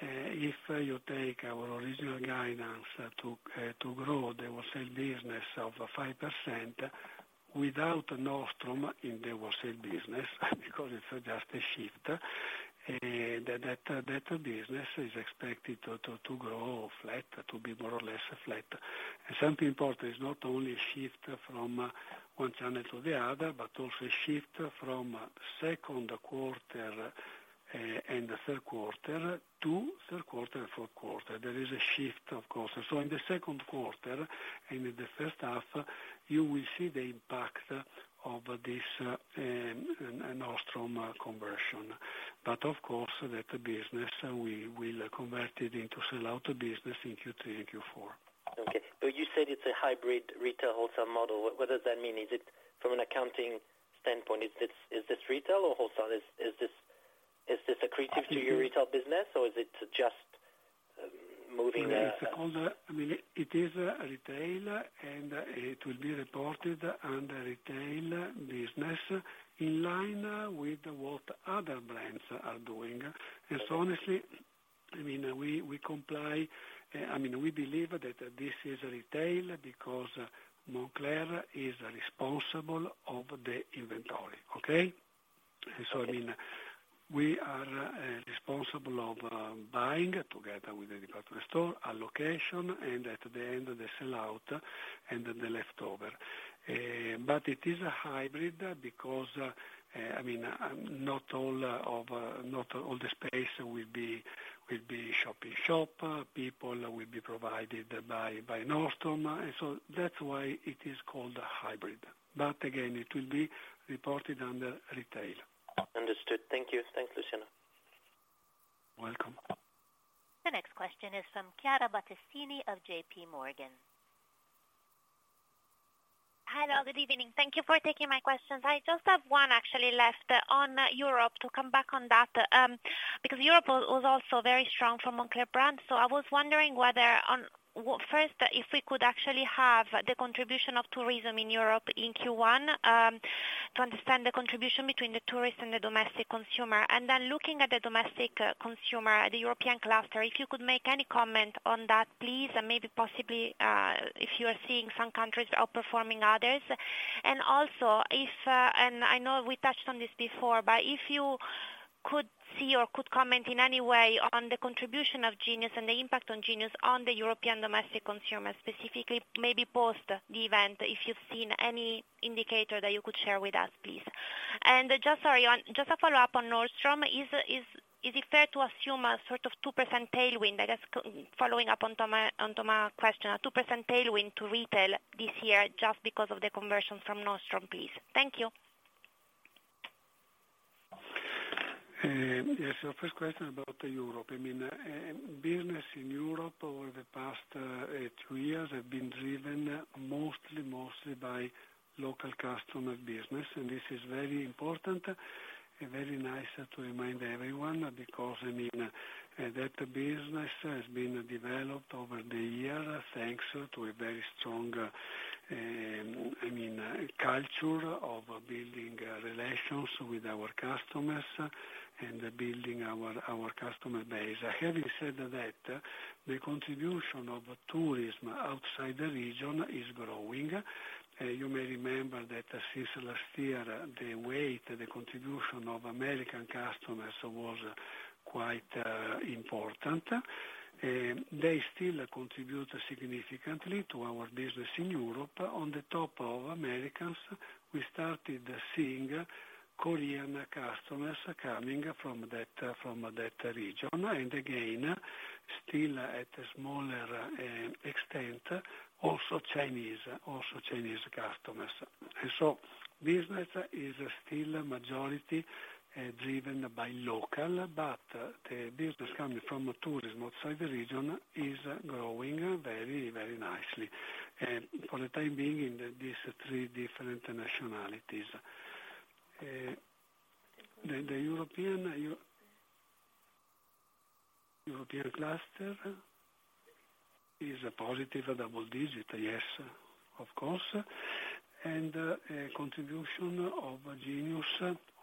if you take our original guidance to grow the wholesale business of 5% without Nordstrom in the wholesale business because it's just a shift, that business is expected to grow flat, to be more or less flat. Something important, it's not only a shift from one channel to the other, but also a shift from second quarter and the third quarter to third quarter, fourth quarter. There is a shift, of course. In the second quarter and in the first half, you will see the impact of this Nordstrom conversion. Of course, that business, we will convert it into sellout business in Q3 and Q4. You said it's a hybrid retail wholesale model. What does that mean? Is it from an accounting standpoint, is this retail or wholesale? Is this accretive to your retail business or is it just moving the? I mean, it's called, I mean, it is retail and it will be reported under retail business in line with what other brands are doing. Honestly, I mean, we comply, I mean, we believe that this is retail because Moncler is responsible of the inventory. Okay? I mean, we are responsible of buying together with the department store, allocation, and at the end of the sellout and the leftover. It is a hybrid because, I mean, not all the space will be shop in shop. People will be provided by Nordstrom. That's why it is called a hybrid. Again, it will be reported under retail. Understood. Thank you. Thanks, Luciano. Welcome. The next question is from Chiara Battistini of JPMorgan. Hello, good evening. Thank you for taking my questions. I just have one actually left on Europe to come back on that, because Europe was also very strong for Moncler brand. I was wondering whether First, if we could actually have the contribution of tourism in Europe in Q1, to understand the contribution between the tourists and the domestic consumer. Then looking at the domestic consumer, the European cluster, if you could make any comment on that, please, and maybe possibly, if you are seeing some countries outperforming others. Also if, I know we touched on this before, but if you could see or could comment in any way on the contribution of Genius and the impact on Genius on the European domestic consumer, specifically maybe post the event, if you've seen any indicator that you could share with us, please. Just sorry, just a follow-up on Nordstrom. Is it fair to assume a sort of 2% tailwind, I guess following up on Toma question, a 2% tailwind to retail this year just because of the conversion from Nordstrom, please. Thank you. Yes, your first question about Europe, I mean, business in Europe over the past two years have been driven mostly by local customer business. This is very important and very nice to remind everyone because, I mean, that business has been developed over the years, thanks to a very strong, I mean, culture of building relations with our customers and building our customer base. Having said that, the contribution of tourism outside the region is growing. You may remember that since last year, the contribution of American customers was quite important, and they still contribute significantly to our business in Europe. On the top of Americans, we started seeing Korean customers coming from that region, again, still at a smaller extent, also Chinese customers. Business is still majority driven by local, but the business coming from tourism outside the region is growing very, very nicely. For the time being in these three different nationalities. The European cluster is a positive double digit. Yes, of course. Contribution of Genius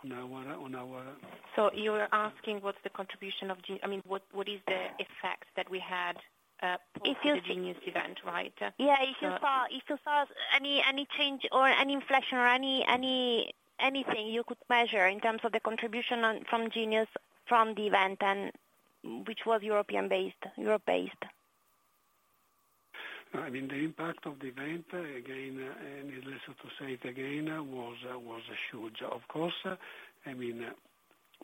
on our, on our. You're asking what's the contribution of I mean, what is the effects that we had for the Genius event, right? Yeah. If you saw any change or any inflection or any anything you could measure in terms of the contribution from Genius, from the event which was Europe-based. I mean, the impact of the event, again, and needless to say it again, was huge. Of course, I mean,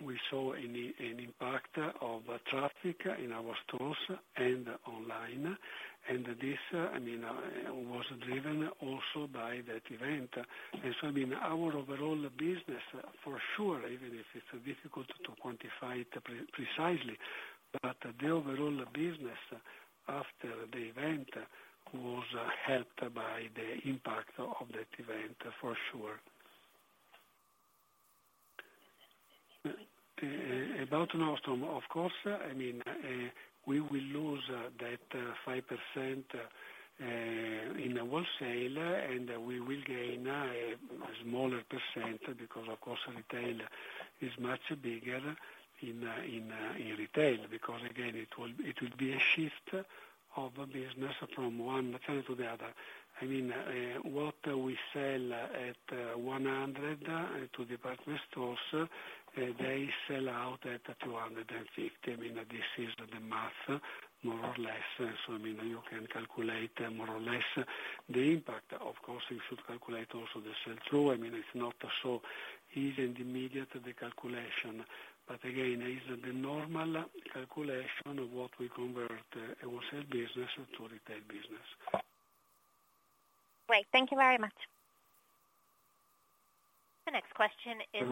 we saw an impact of traffic in our stores and online. This, I mean, was driven also by that event. I mean, our overall business for sure, even if it's difficult to quantify it precisely, but the overall business after the event was helped by the impact of that event for sure. About Nordstrom, of course, I mean, we will lose that 5% in wholesale, and we will gain a smaller % because of course, retail is much bigger in retail, because again, it will be a shift of business from one channel to the other. I mean, what we sell at 100 to department stores, they sell out at 250. I mean, this is the math more or less. I mean, you can calculate more or less the impact. Of course, you should calculate also the sell-through. I mean, it's not so easy and immediate, the calculation, but again, it's the normal calculation of what we convert a wholesale business to retail business. Great. Thank you very much. The next question is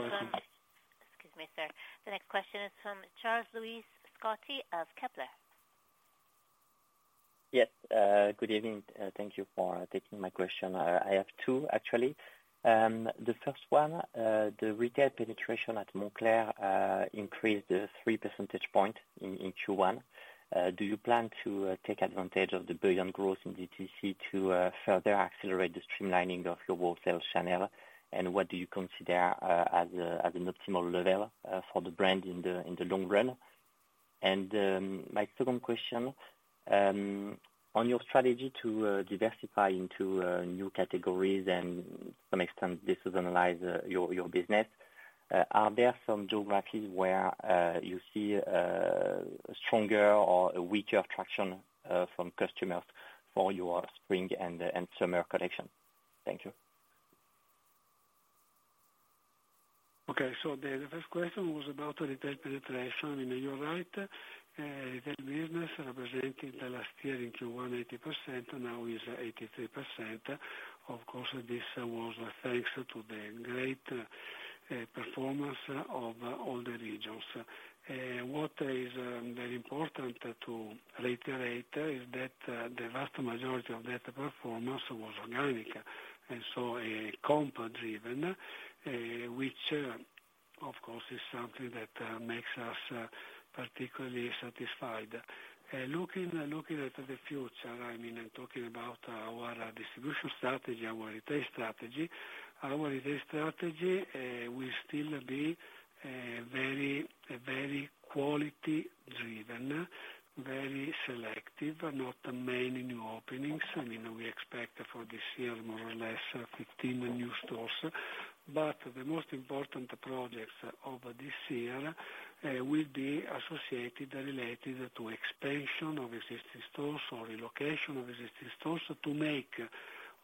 from. You're welcome. Excuse me, sir. The next question is from Charles-Louis Scotti of Kepler. Yes. Good evening. Thank you for taking my question. I have two, actually. The first one, the retail penetration at Moncler increased 3 percentage point in Q1. Do you plan to take advantage of the billion growth in DTC to further accelerate the streamlining of your wholesale channel? What do you consider as an optimal level for the brand in the long run? My second question on your strategy to diversify into new categories and to some extent decentralize your business, are there some geographies where you see stronger or weaker traction from customers for your spring and summer collection? Thank you. Okay. The first question was about retail penetration. I mean, you're right. The business representing the last year in Q1, 80% now is 83%. This was thanks to the great, performance of all the regions. What is, very important to reiterate is that, the vast majority of that performance was organic, and so, comp driven, which, of course, is something that, makes us, particularly satisfied. Looking at the future, I mean, I'm talking about our distribution strategy, our retail strategy. Our retail strategy, will still be, very, very quality driven, very selective, not many new openings. I mean, we expect for this year more or less 15 new stores. The most important projects of this year will be associated and related to expansion of existing stores or relocation of existing stores to make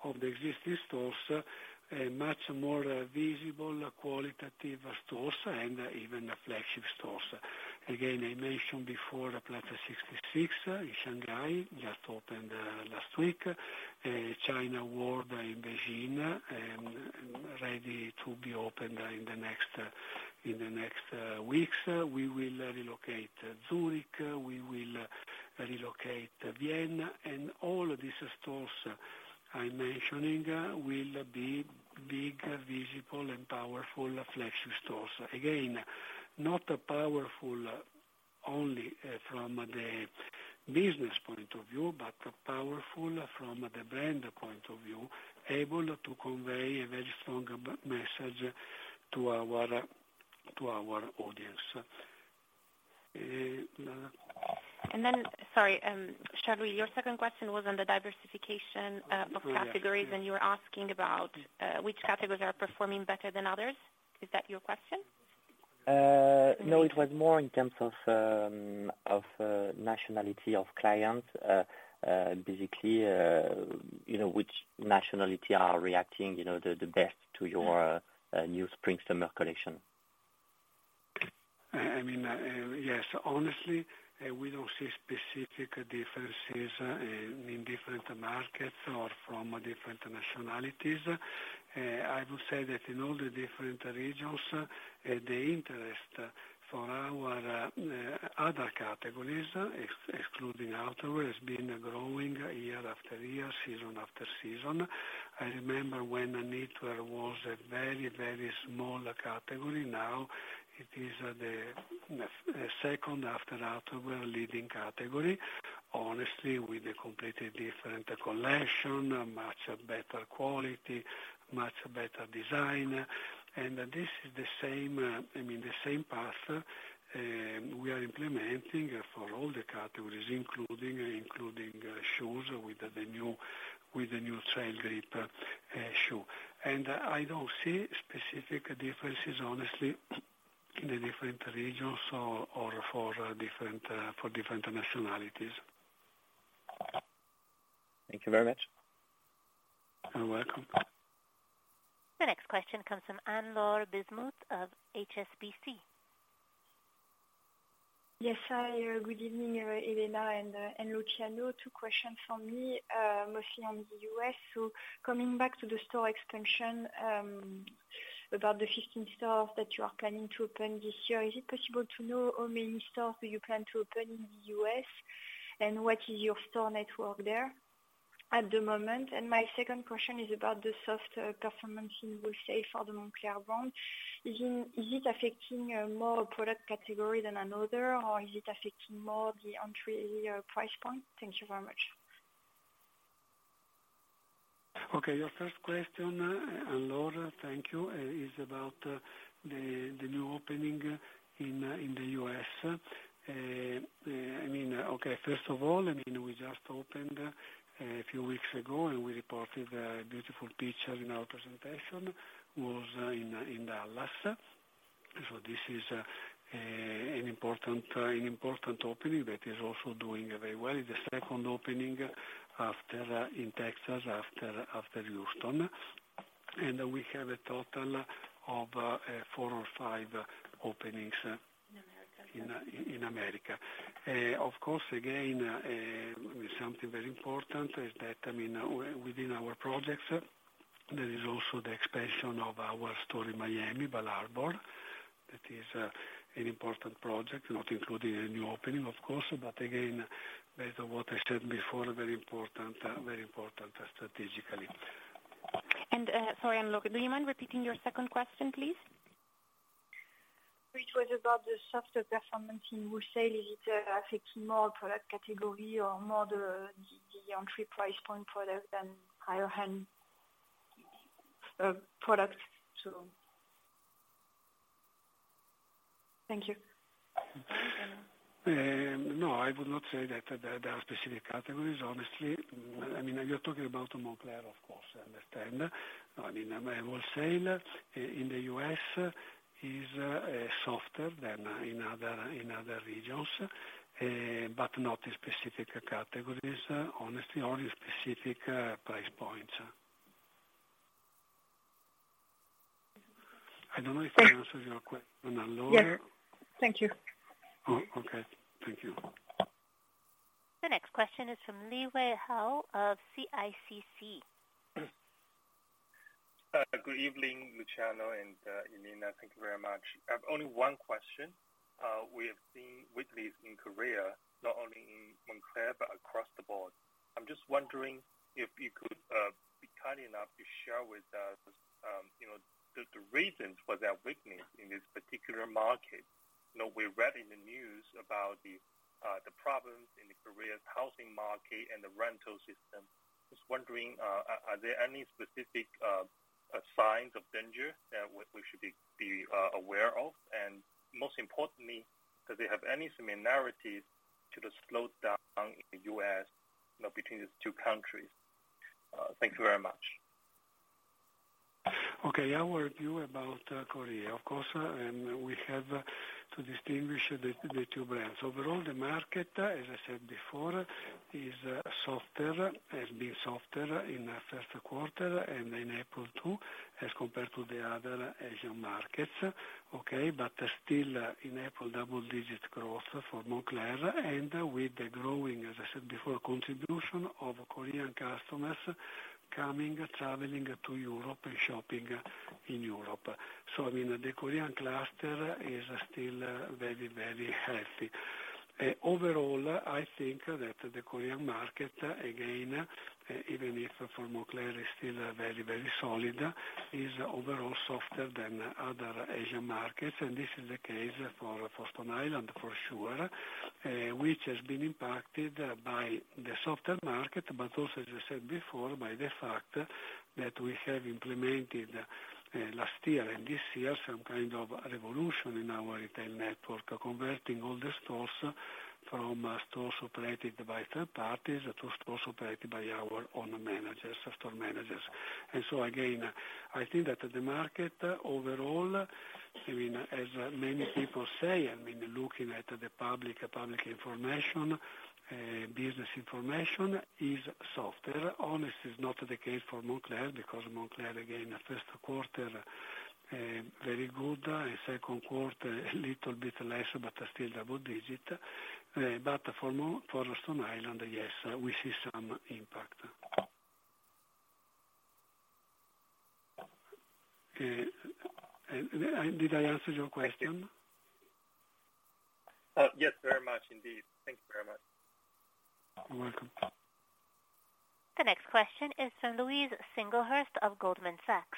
of the existing stores a much more visible qualitative stores and even a flagship store. I mentioned before Plaza 66 in Shanghai just opened last week. China World in Beijing ready to be opened in the next weeks. We will relocate Zurich, we will relocate Vienna, and all of these stores I am mentioning will be big, visible and powerful flagship stores. Not powerful only from the business point of view, but powerful from the brand point of view, able to convey a very strong message to our audience. Sorry, Charles, your second question was on the diversification of categories, and you were asking about which categories are performing better than others. Is that your question? No, it was more in terms of nationality of clients. Basically, you know, which nationality are reacting, you know, the best to your new spring/summer collection. I mean, yes. Honestly, we don't see specific differences in different markets or from different nationalities. I would say that in all the different regions, the interest for our other categories, excluding outerwear, has been growing year-after-year, season after season. I remember when knitwear was a very, very small category. Now it is the second after outerwear leading category. Honestly, with a completely different collection, much better quality, much better design. This is the same, I mean the same path, we are implementing for all the categories, including shoes with the new, with the new Trailgrip shoe. I don't see specific differences, honestly, in the different regions or for different for different nationalities. Thank you very much. You're welcome. The next question comes from Anne-Laure Bismuth of HSBC. Yes, hi. Good evening, Elena and Luciano. Two questions from me, mostly on the U.S. Coming back to the store expansion, about the 15 stores that you are planning to open this year, is it possible to know how many stores do you plan to open in the U.S., and what is your store network there at the moment? My second question is about the soft performance in wholesale for the Moncler brand. Is it affecting more product category than another, or is it affecting more the entry price point? Thank you very much. Okay. Your first question, Anne-Laure, thank you, is about the new opening in the U.S. I mean, okay, first of all, I mean, we just opened a few weeks ago, and we reported a beautiful picture in our presentation, was in Dallas. This is an important opening that is also doing very well. The second opening after in Texas, after Houston. We have a total of four or five openings- In America. In America. Of course, again, something very important is that, I mean, within our projects, there is also the expansion of our store in Miami Bal Harbour. That is an important project, not including any new opening, of course, again, based on what I said before, very important strategically. Sorry, Anne-Laure, do you mind repeating your second question, please? Which was about the softer performance in wholesale. Is it affecting more product category or more the entry price point product than higher end products? Thank you. No, I would not say that there are specific categories, honestly. I mean, you're talking about Moncler, of course, I understand. I mean, wholesale in the U.S. is softer than in other regions, but not in specific categories, honestly, or in specific price points. I don't know if I answered your question, Anne-Laure. Yes. Thank you. Oh, okay. Thank you. The next question is from Liwei Hou of CICC. Good evening, Luciano and Elena. Thank you very much. I've only one question. We have seen weakness in Korea, not only in Moncler, but across the board. I'm just wondering if you could be kind enough to share with us, you know, the reasons for that weakness in this particular market. You know, we read in the news about the problems in Korea's housing market and the rental system. Just wondering, are there any specific signs of danger that we should be aware of? Most importantly, do they have any similarities to the slowdown in the U.S., you know, between these two countries? Thank you very much. Our view about Korea, of course, we have to distinguish the two brands. Overall, the market, as I said before, is softer, has been softer in the first quarter and in April too, as compared to the other Asian markets. But still in April, double-digit growth for Moncler and with the growing, as I said before, contribution of Korean customers coming, traveling to Europe and shopping in Europe. I mean, the Korean cluster is still very, very healthy. Overall, I think that the Korean market, again, even if for Moncler is still very, very solid, is overall softer than other Asian markets, and this is the case for Stone Island for sure, which has been impacted by the softer market, but also, as I said before, by the fact that we have implemented last year and this year some kind of revolution in our retail network, converting all the stores from stores operated by third parties to stores operated by our own managers, store managers. Again, I think that the market overall, I mean, as many people say, I mean, looking at the public information, business information is softer. Honest is not the case for Moncler because Moncler again first quarter, very good. Second quarter, a little bit less, but still double digit. For Stone Island, yes, we see some impact. Did I answer your question? Yes, very much indeed. Thank you very much. You're welcome. The next question is from Louise Singlehurst of Goldman Sachs.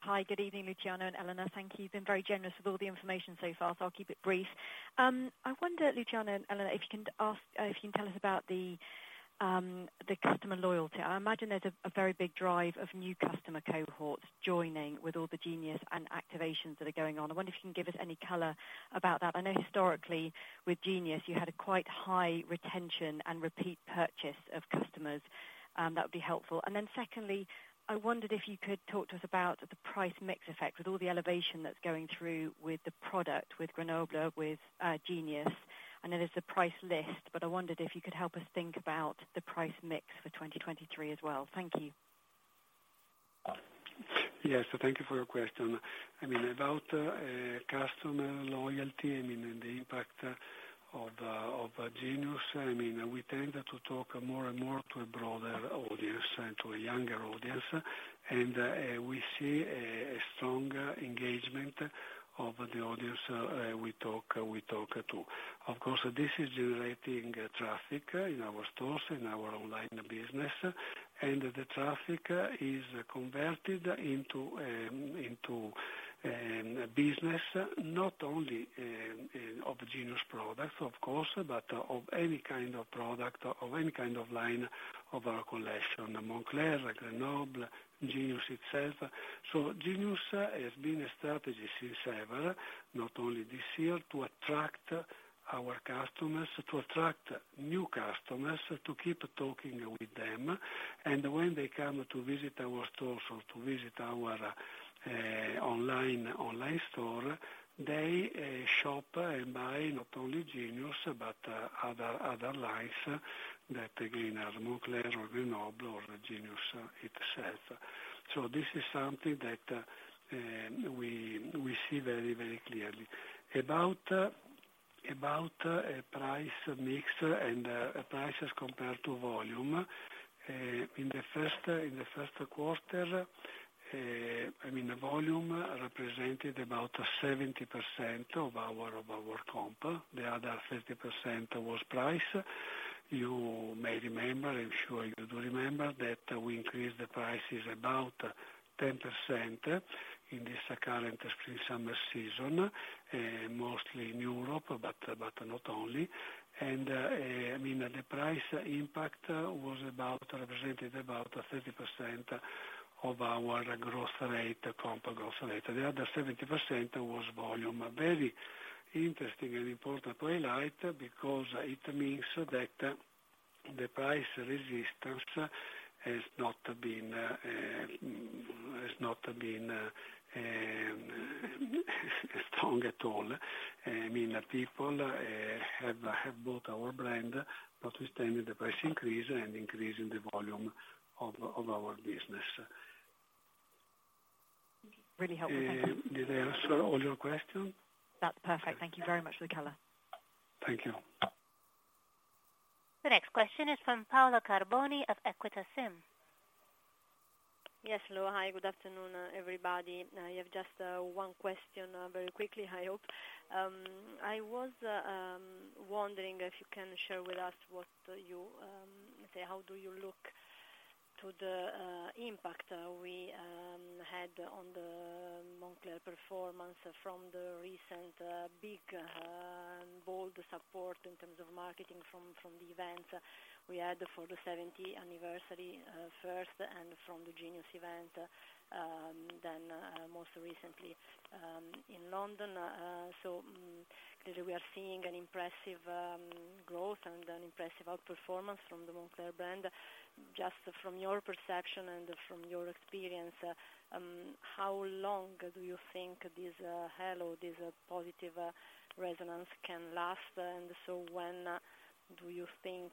Hi. Good evening, Luciano and Elena. Thank you. You've been very generous with all the information so far, so I'll keep it brief. I wonder, Luciano and Elena, if you can tell us about the customer loyalty. I imagine there's a very big drive of new customer cohorts joining with all the Genius and activations that are going on. I wonder if you can give us any color about that. I know historically with Genius you had a quite high retention and repeat purchase of customers. That would be helpful. Secondly, I wondered if you could talk to us about the price mix effect with all the elevation that's going through with the product, with Grenoble, with Genius. I know there's a price list, I wondered if you could help us think about the price mix for 2023 as well. Thank you. Yes. Thank you for your question. About customer loyalty, the impact of Genius, we tend to talk more and more to a broader audience and to a younger audience. We see a strong engagement of the audience we talk to. Of course, this is generating traffic in our stores, in our online business. The traffic is converted into business, not only of Genius products of course, but of any kind of product, of any kind of line of our collection. Moncler, Grenoble, Genius itself. Genius has been a strategy since ever, not only this year, to attract our customers, to attract new customers, to keep talking with them. When they come to visit our stores or to visit our online store, they shop and buy not only Genius but other lines that again are Moncler or Grenoble or Genius itself. This is something that we see very clearly. About price mix and prices compared to volume in the first quarter, I mean, volume represented about 70% of our comp. The other 30% was price. You may remember, I'm sure you do remember, that we increased the prices about 10% in this current spring/summer season, mostly in Europe, but not only. I mean, the price impact represented about 30% of our growth rate, comp growth rate. The other 70% was volume. Very interesting and important to highlight because it means that the price resistance has not been strong at all. I mean, people have bought our brand, we expanded the price increase and increasing the volume of our business. Really helpful. Thank you. Did I answer all your questions? That's perfect. Thank you very much for the color. Thank you. The next question is from Paola Carboni of Equita SIM. Yes. Hello. Hi. Good afternoon, everybody. I have just 1 question very quickly, I hope. I was wondering if you can share with us what you say, how do you look to the impact we had on the Moncler performance from the recent big bold support in terms of marketing from the event we had for the 70 anniversary first and from the Genius event then most recently in London. Clearly we are seeing an impressive growth and an impressive outperformance from the Moncler brand. Just from your perception and from your experience, how long do you think this halo, this positive resonance can last? When do you think,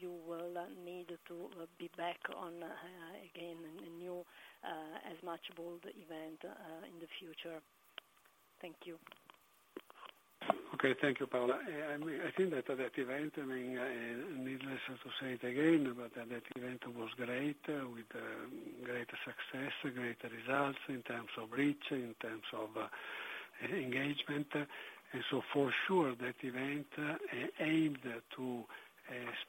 you will need to be back on, again, a new, as much bold event, in the future? Thank you. Okay, thank you, Paola. I think that that event, I mean, needless to say it again, that event was great with great success, great results in terms of reach, in terms of engagement. For sure, that event aimed to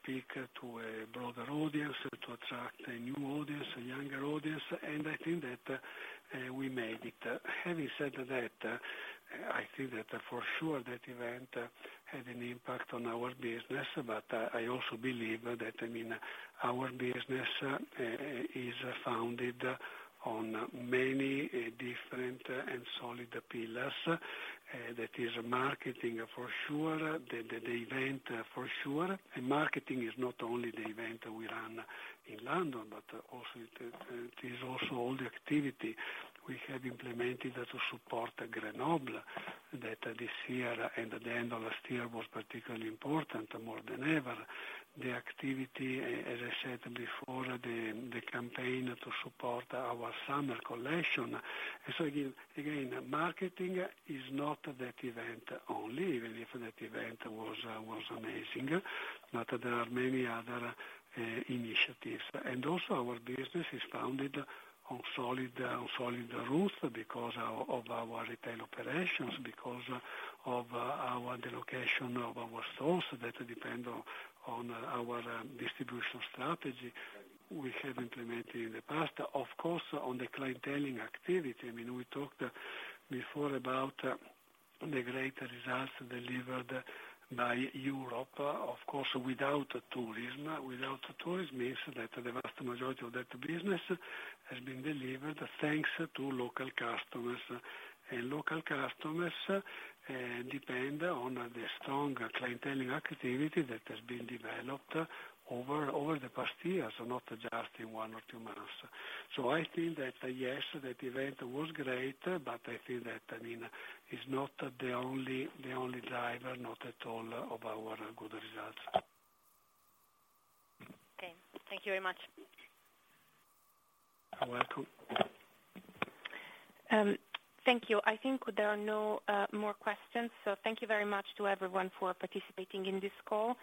speak to a broader audience, to attract a new audience, a younger audience, and I think that we made it. Having said that, I think that for sure that event had an impact on our business. I also believe that, I mean, our business is founded on many different and solid pillars. That is marketing for sure, the event for sure, marketing is not only the event we run in London, but it is also all the activity we have implemented to support Moncler Grenoble, that this year and the end of last year was particularly important more than ever. The activity, as I said before, the campaign to support our summer collection. Again, marketing is not that event only, even if that event was amazing. There are many other initiatives. Also our business is founded on solid roots because of our retail operations, because of our the location of our stores that depend on our distribution strategy we have implemented in the past. Of course, on the clienteling activity, I mean, we talked before about, the great results delivered by Europe, of course, without tourism. Without tourism means that the vast majority of that business has been delivered thanks to local customers. Local customers depend on the strong clienteling activity that has been developed over the past years, not just in one or two months. I think that, yes, that event was great, but I think that, I mean, it's not the only driver, not at all of our good results. Okay. Thank you very much. You're welcome. Thank you. I think there are no more questions, so thank you very much to everyone for participating in this call.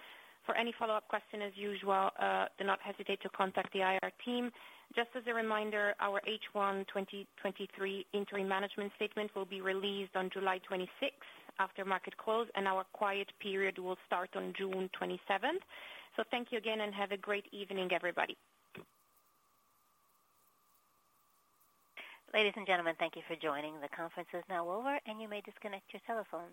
For any follow-up question, as usual, do not hesitate to contact the IR team. Just as a reminder, our H1 2023 interim management statement will be released on July 26th after market close, and our quiet period will start on June 27th. Thank you again, and have a great evening, everybody. Ladies, and gentlemen, thank you for joining. The conference is now over, and you may disconnect your telephones.